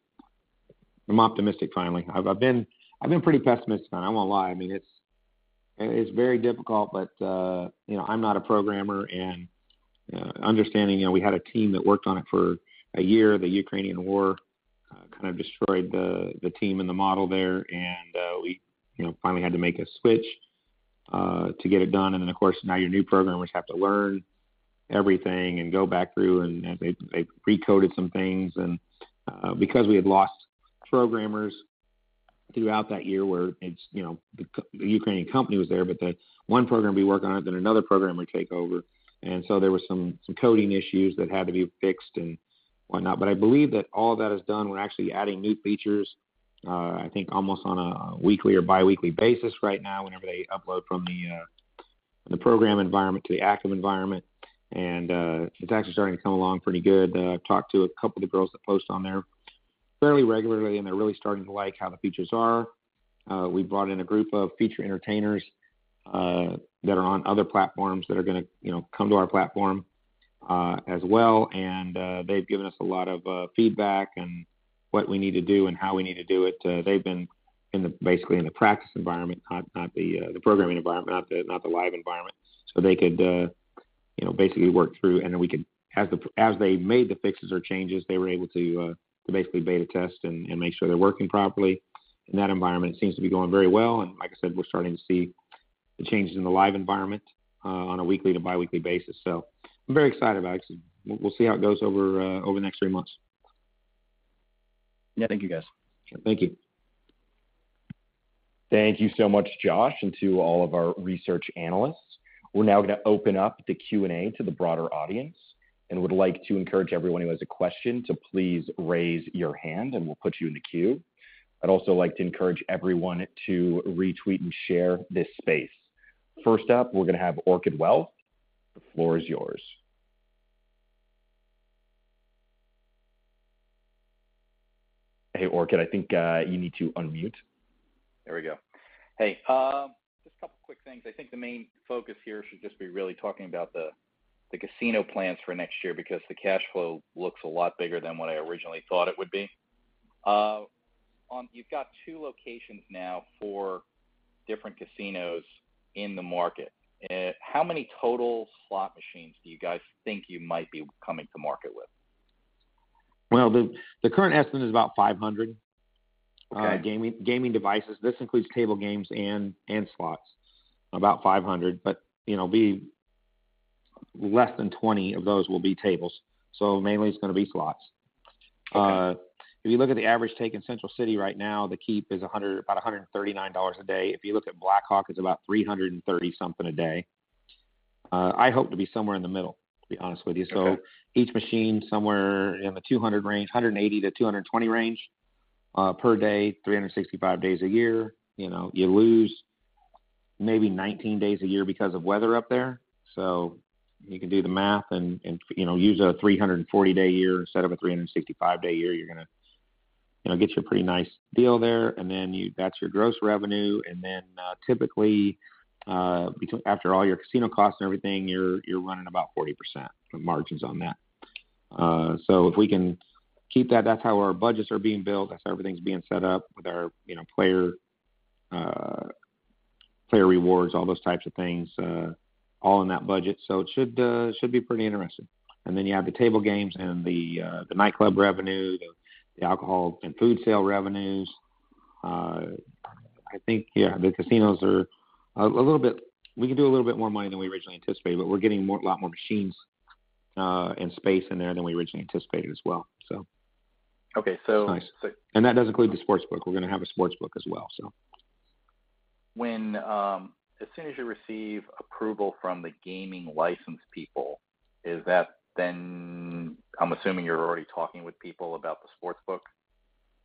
S2: I'm optimistic finally. I've been pretty pessimistic. I won't lie. I mean, it's very difficult, but, you know, I'm not a programmer and, understanding, you know, we had a team that worked on it for one year. The Ukrainian war, kind of destroyed the team and the model there, and, you know, finally had to make a switch to get it done. Then, of course, now your new programmers have to learn everything and go back through, and they recoded some things. Because we had lost programmers throughout that year, where, you know, the Ukrainian company was there, but the one programmer will be working on it, then another programmer would take over. There was some, some coding issues that had to be fixed and whatnot. I believe that all that is done. We're actually adding new features, I think almost on a weekly or biweekly basis right now, whenever they upload from the program AdmireMe to the active environment. It's actually starting to come along pretty good. I've talked to a couple of the girls that post on there fairly regularly, and they're really starting to like how the features are. We brought in a group of feature entertainers that are on other platforms that are gonna, you know, come to our platform as well. They've given us a lot of feedback on what we need to do and how we need to do it. They've been basically in the practice environment, not, not the programming environment, not the, not the live environment. They could, you know, basically work through, and then we could. As they made the fixes or changes, they were able to basically beta test and make sure they're working properly. That environment seems to be going very well. Like I said, we're starting to see the changes in the live environment on a weekly to biweekly basis. I'm very excited about it. We'll see how it goes over the next three months.
S8: Yeah. Thank you, guys.
S2: Thank you.
S1: Thank you so much, Josh, to all of our research analysts. We're now going to open up the Q&A to the broader audience, and would like to encourage everyone who has a question to please raise your hand, and we'll put you in the queue. I'd also like to encourage everyone to retweet and share this space. First up, we're going to have Orchid Wealth. The floor is yours. Hey, Orchid, I think you need to unmute.
S9: There we go. Hey, just a couple quick things. I think the main focus here should just be really talking about the casino plans for next year, because the cash flow looks a lot bigger than what I originally thought it would be. You've got two locations now for different casinos in the market. How many total slot machines do you guys think you might be coming to market with?
S2: Well, the current estimate is about 500-
S9: Okay...
S2: gaming, gaming devices. This includes table games and, and slots, about 500. You know, be less than 20 of those will be tables, so mainly it's going to be slots.
S9: Okay.
S2: If you look at the average take in Central City right now, the keep is $100, about $139 a day. If you look at Black Hawk, it's about $330 something a day. I hope to be somewhere in the middle, to be honest with you.
S9: Okay.
S2: Each machine, somewhere in the $200 range, $180-$220 range, per day, 365 days a year. You know, you lose maybe 19 days a year because of weather up there. You can do the math and, and, you know, use a $340-day year instead of a $365-day year. You're gonna, you know, get you a pretty nice deal there. Then that's your gross revenue. Then, typically, after all your casino costs and everything, you're, you're running about 40% margins on that. If we can keep that, that's how our budgets are being built, that's how everything's being set up with our, you know, player, player rewards, all those types of things, all in that budget. It should, it should be pretty interesting. Then you have the table games and the, the nightclub revenue, the, the alcohol and food sale revenues. I think, yeah, the casinos are a, a little bit. We can do a little bit more money than we originally anticipated, but we're getting more, a lot more machines, and space in there than we originally anticipated as well, so.
S9: Okay.
S2: Nice. That doesn't include the sportsbook. We're going to have a sportsbook as well, so.
S9: When, as soon as you receive approval from the gaming license people, is that then? I'm assuming you're already talking with people about the sportsbook?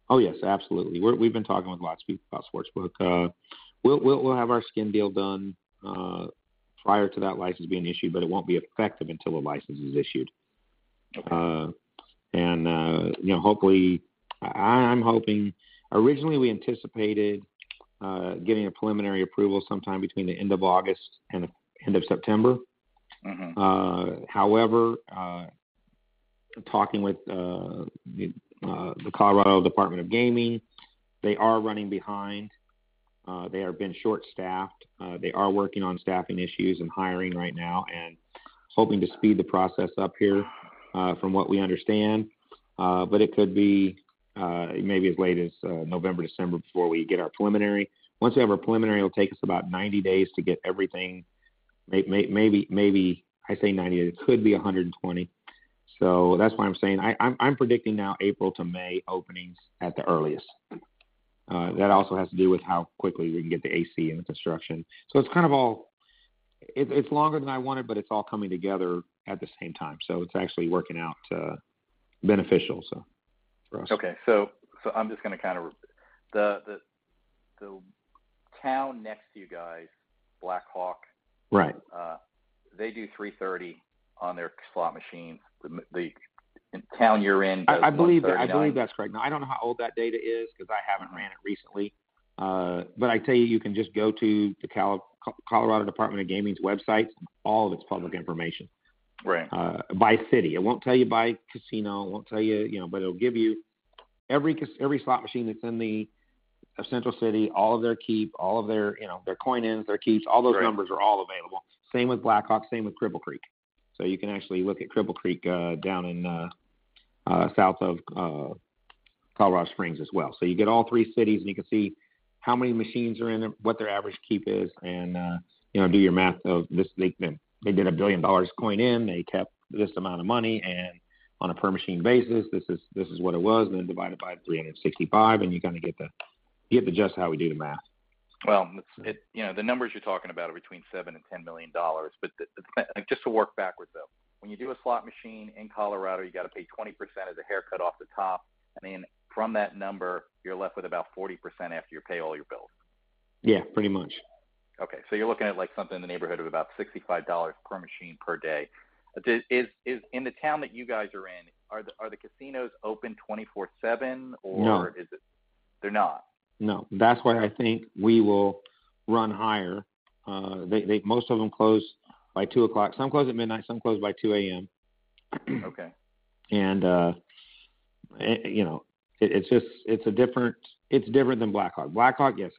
S2: Oh, yes, absolutely. We've been talking with lots of people about sportsbook. We'll have our skin deal done prior to that license being issued, but it won't be effective until a license is issued.
S9: Okay.
S2: You know, hopefully, I'm hoping, originally, we anticipated, getting a preliminary approval sometime between the end of August and the end of September.
S9: Mm-hmm.
S2: However, talking with the Colorado Department of Gaming, they are running behind. They have been short-staffed. They are working on staffing issues and hiring right now and hoping to speed the process up here, from what we understand. But it could be maybe as late as November, December, before we get our preliminary. Once we have our preliminary, it'll take us about 90 days to get everything. I say 90, it could be 120. That's why I'm saying I'm predicting now April to May openings at the earliest. That also has to do with how quickly we can get the AC into construction. It's kind of it's longer than I wanted, but it's all coming together at the same time, so it's actually working out beneficial, so for us.
S9: Okay, so I'm just going to kind of. The town next to you guys, Black Hawk.
S2: Right.
S9: They do $330 on their slot machine. The town you're in, does $130.
S2: I believe that, I believe that's correct. Now, I don't know how old that data is, because I haven't ran it recently. I tell you, you can just go to the Colorado Department of Gaming's website. All of it's public information-
S9: Right....
S2: by city. It won't tell you by casino, it won't tell you, you know, but it'll give you every every slot machine that's in the Central City, all of their keep, all of their, you know, their coin-ins, their keeps.
S9: Right.
S2: All those numbers are all available. Same with Black Hawk, same with Cripple Creek. You can actually look at Cripple Creek, down in, south of, Colorado Springs as well. You get all three cities, and you can see how many machines are in them, what their average keep is, and, you know, do your math of this. They did $1 billion coin in, they kept this amount of money, and on a per machine basis, this is, this is what it was, and then divide it by 365, and you kind of get the just how we do the math.
S9: Well, you know, the numbers you're talking about are between $7 million and $10 million. The, just to work backwards, though, when you do a slot machine in Colorado, you got to pay 20% as a haircut off the top, and then from that number, you're left with about 40% after you pay all your bills.
S2: Yeah, pretty much.
S9: Okay. You're looking at, like, something in the neighborhood of about $65 per machine per day. In the town that you guys are in, are the casinos open 24/7 or?
S2: No.
S9: Is it, they're not?
S2: No. That's why I think we will run higher. Most of them close by 2:00. Some close at midnight, some close by 2:00 A.M.
S9: Okay.
S2: You know, it, it's just, it's a different, it's different than Black Hawk. Black Hawk, yes,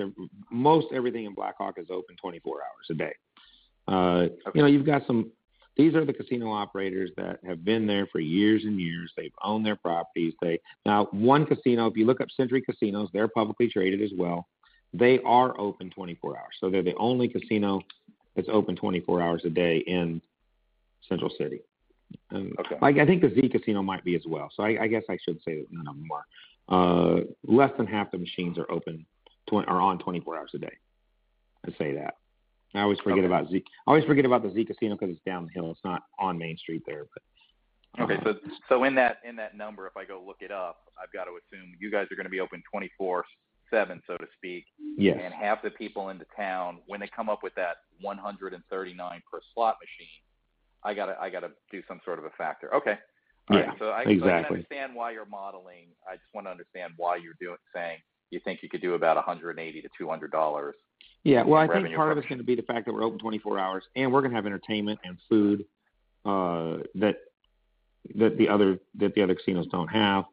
S2: most everything in Black Hawk is open 24 hours a day.
S9: Okay.
S2: You know, you've got some, these are the casino operators that have been there for years and years. They've owned their properties. They, now, one casino, if you look up Century Casinos, they're publicly traded as well. They are open 24 hours, so they're the only casino that's open 24 hours a day in Central City.
S9: Okay.
S2: I, I think the Z Casino might be as well, so I, I guess I should say none of them are. Less than half the machines are open are on 24 hours a day. Let's say that.
S9: Okay.
S2: I always forget about Z. I always forget about the Z Casino because it's downhill. It's not on Main Street there, but...
S9: Okay. In that number, if I go look it up, I've got to assume you guys are going to be open 24/7, so to speak.
S2: Yes.
S9: Half the people in the town, when they come up with that 139 per slot machine, I got to do some sort of a factor. Okay.
S2: Yeah, exactly.
S9: I can understand why you're modeling. I just want to understand why you're saying, you think you could do about $180-$200.
S2: Yeah.
S9: Revenue.
S2: I think part of it's going to be the fact that we're open 24 hours, and we're going to have entertainment and food that the other casinos don't have.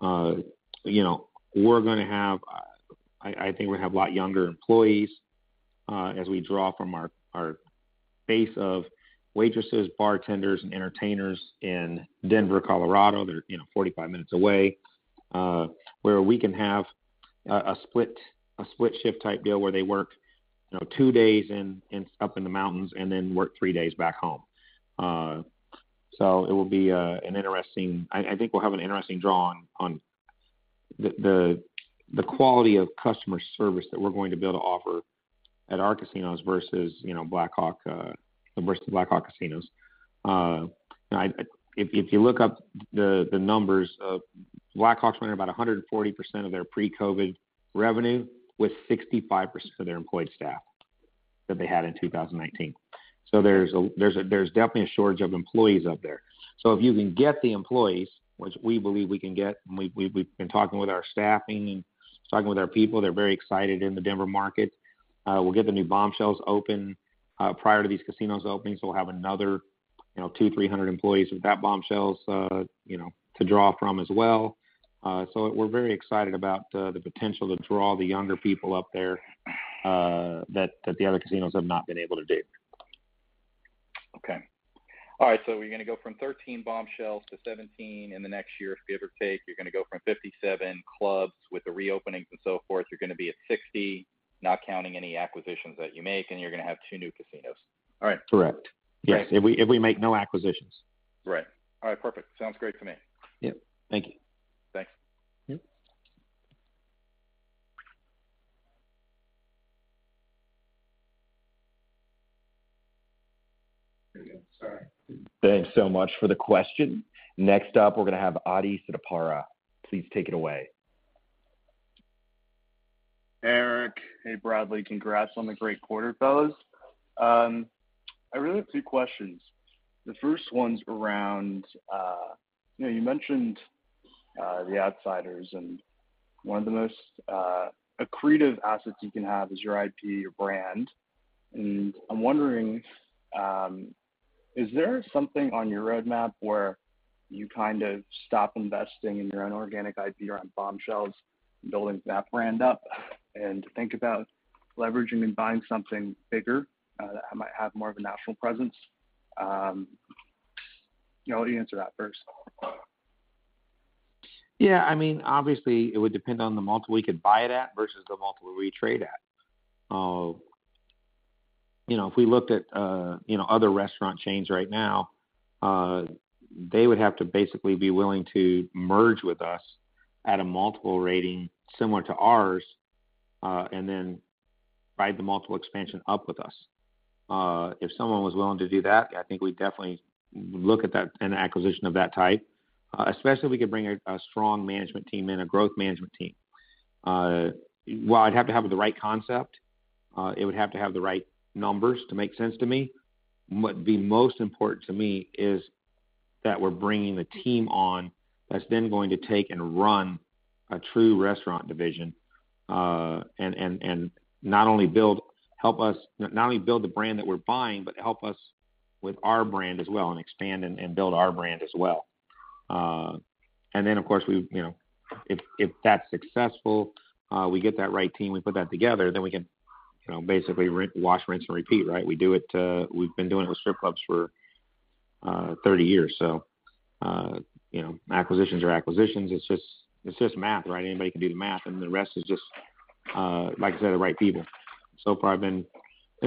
S2: You know, I think we're going to have a lot younger employees as we draw from our base of waitresses, bartenders, and entertainers in Denver, Colorado. They're, you know, 45 minutes away, where we can have a split shift type deal where they work, you know, two days up in the mountains and then work three days back home. So it will be an interesting... I, I think we'll have an interesting draw on, on the, the, the quality of customer service that we're going to be able to offer at our casinos versus, you know, Black Hawk, versus Black Hawk casinos. I, if, if you look up the, the numbers, Black Hawk's winning about 140% of their pre-COVID revenue with 65% of their employed staff that they had in 2019. There's a, there's definitely a shortage of employees up there. If you can get the employees, which we believe we can get, and we, we've, we've been talking with our staffing and talking with our people, they're very excited in the Denver market. We'll get the new Bombshells open, prior to these casinos openings. We'll have another, you know, 200-300 employees with that Bombshells, you know, to draw from as well. We're very excited about the potential to draw the younger people up there, that, that the other casinos have not been able to do.
S9: Okay. All right, you're going to go from 13 Bombshells to 17 in the next year, give or take. You're going to go from 57 clubs with the reopenings and so forth. You're going to be at 60, not counting any acquisitions that you make. You're going to have two new casinos. All right.
S2: Correct.
S9: Right.
S2: Yes, if we, if we make no acquisitions.
S9: Right. All right, perfect. Sounds great to me.
S2: Yep. Thank you.
S9: Thanks.
S2: Yep.
S1: Sorry. Thanks so much for the question. Next up, we're going to have Adi Sadapara. Please take it away.
S10: Eric, hey, Bradley. Congrats on the great quarter, fellas. I really have two questions. The first one's around, you know, you mentioned The Outsiders, and one of the most accretive assets you can have is your IP, your brand. I'm wondering, is there something on your roadmap where you kind of stop investing in your own organic IP around Bombshells, building that brand up, and think about leveraging and buying something bigger, that might have more of a national presence? You know, I'll let you answer that first.
S2: Yeah, I mean, obviously, it would depend on the multiple we could buy it at versus the multiple we trade at. you know, if we looked at, you know, other restaurant chains right now, they would have to basically be willing to merge with us at a multiple rating similar to ours, and then ride the multiple expansion up with us. If someone was willing to do that, I think we'd definitely look at that, an acquisition of that type, especially if we could bring a, a strong management team in, a growth management team. Well, I'd have to have the right concept. It would have to have the right numbers to make sense to me. The most important to me is that we're bringing a team on that's then going to take and run a true restaurant division, and not only help us, not only build the brand that we're buying, but help us with our brand as well, and expand and build our brand as well. Then, of course, we, you know, if, if that's successful, we get that right team, we put that together, then we can, you know, basically wash, rinse, and repeat, right? We do it, we've been doing it with strip clubs for 30 years. You know, acquisitions are acquisitions. It's just, it's just math, right? Anybody can do the math, and the rest is just, like I said, the right people. So far, I've been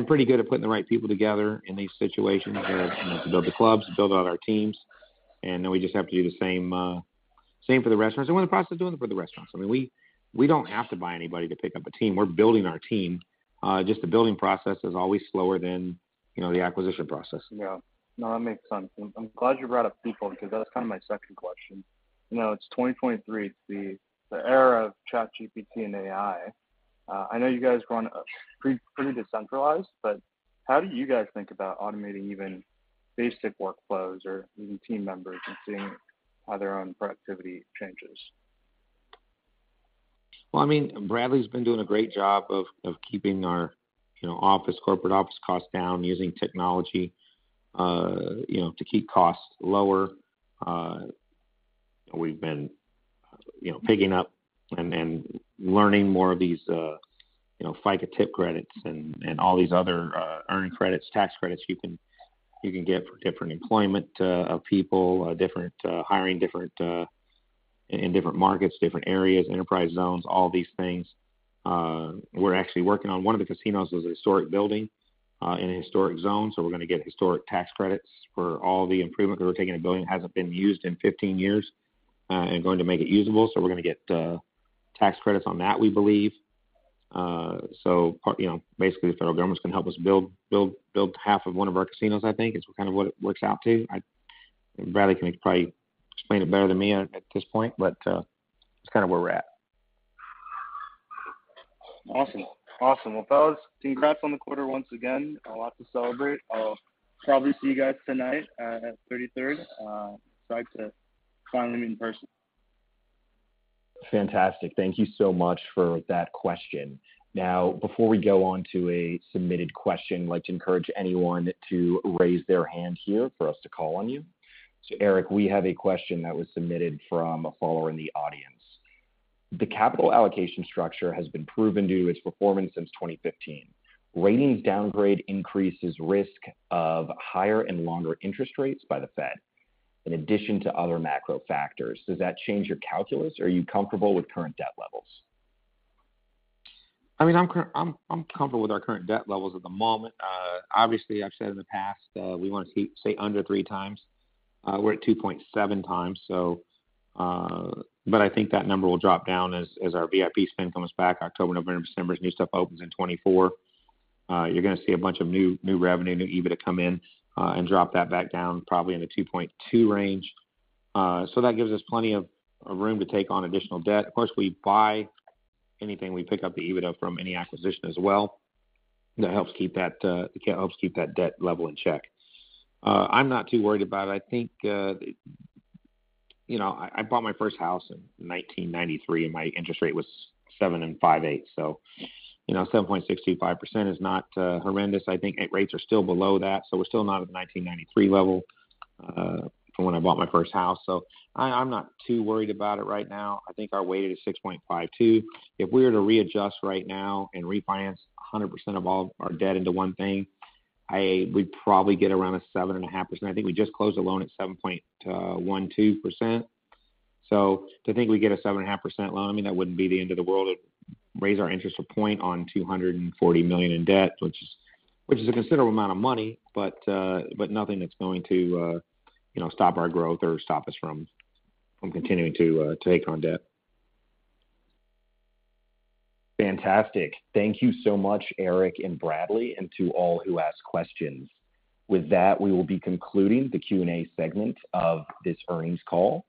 S2: pretty good at putting the right people together in these situations, you know, to build the clubs, to build out our teams, and then we just have to do the same, same for the restaurants. I mean, we don't have to buy anybody to pick up a team. We're building our team. Just the building process is always slower than, you know, the acquisition process.
S10: Yeah. No, that makes sense. I'm glad you brought up people, because that was kind of my second question. You know, it's 2023, it's the era of ChatGPT and AI. I know you guys run pretty, pretty decentralized, but how do you guys think about automating even basic workflows or even team members and seeing how their own productivity changes?
S2: Well, I mean, Bradley's been doing a great job of, of keeping our, you know, office, corporate office costs down, using technology, you know, to keep costs lower. We've been, you know, picking up and, and learning more of these, you know, FICA tip credits and, and all these other, earned credits, tax credits you can, you can get for different employment, of people, different, hiring different, in different markets, different areas, enterprise zones, all these things. We're actually working on. One of the casinos is a historic building, in a historic zone, so we're gonna get historic tax credits for all the improvements, because we're taking a building that hasn't been used in 15 years, and going to make it usable. We're gonna get tax credits on that, we believe. Part, you know, basically, the federal government's gonna help us build, build, build half of one of our casinos, I think, is kind of what it works out to. Bradley can probably explain it better than me at, at this point, but that's kind of where we're at.
S10: Awesome. Awesome. Well, fellas, congrats on the quarter once again. A lot to celebrate. I'll probably see you guys tonight, at 33rd. Excited to finally meet in person.
S1: Fantastic. Thank you so much for that question. Before we go on to a submitted question, I'd like to encourage anyone to raise their hand here for us to call on you. Eric, we have a question that was submitted from a follower in the audience. The capital allocation structure has been proven due to its performance since 2015. Ratings downgrade increases risk of higher and longer interest rates by the Fed, in addition to other macro factors. Does that change your calculus, or are you comfortable with current debt levels?
S2: I mean, I'm, I'm comfortable with our current debt levels at the moment. obviously, I've said in the past, we want to see stay under 3x. we're at 2.7x. I think that number will drop down as our VIP spend comes back, October, November, December, as new stuff opens in 2024. you're gonna see a bunch of new, new revenue, new EBITDA come in, and drop that back down, probably in the 2.2x range. That gives us plenty of, of room to take on additional debt. Of course, we buy anything, we pick up the EBITDA from any acquisition as well. That helps keep that, helps keep that debt level in check. I'm not too worried about it. I think, you know, I, I bought my first house in 1993, and my interest rate was 7.58%. You know, 7.625% is not horrendous. I think rates are still below that, so we're still not at the 1993 level from when I bought my first house. I, I'm not too worried about it right now. I think our weight is 6.52%. If we were to readjust right now and refinance 100% of all our debt into one thing, I, we'd probably get around a 7.5%. I think we just closed a loan at 7.12%. To think we'd get a 7.5% loan, I mean, that wouldn't be the end of the world. It'd raise our interest 1 point on $240 million in debt, which is a considerable amount of money. Nothing that's going to, you know, stop our growth or stop us from continuing to take on debt.
S1: Fantastic. Thank you so much, Eric and Bradley. To all who asked questions. With that, we will be concluding the Q&A segment of this earnings call.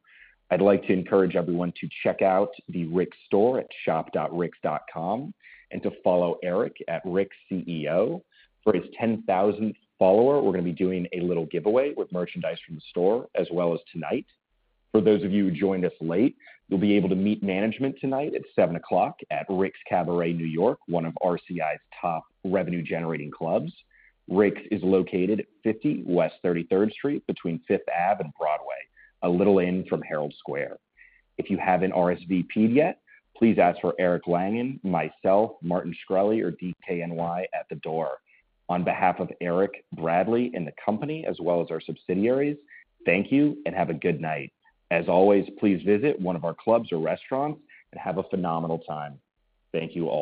S1: I'd like to encourage everyone to check out the Rick's store at shop.ricks.com and to follow Eric @RicksCEO. For his 10,000th follower, we're gonna be doing a little giveaway with merchandise from the store as well as tonight. For those of you who joined us late, you'll be able to meet management tonight at 7:00 P.M. at Rick's Cabaret New York, one of RCI's top revenue-generating clubs. Rick's is located at Fifty West 33rd Street between 5th Ave and Broadway, a little in from Herald Square. If you haven't RSVP'd yet, please ask for Eric Langan, myself, Martin Shkreli, or DKNY at the door. On behalf of Eric, Bradley, and the company, as well as our subsidiaries, thank you and have a good night. As always, please visit one of our clubs or restaurants and have a phenomenal time. Thank you, all.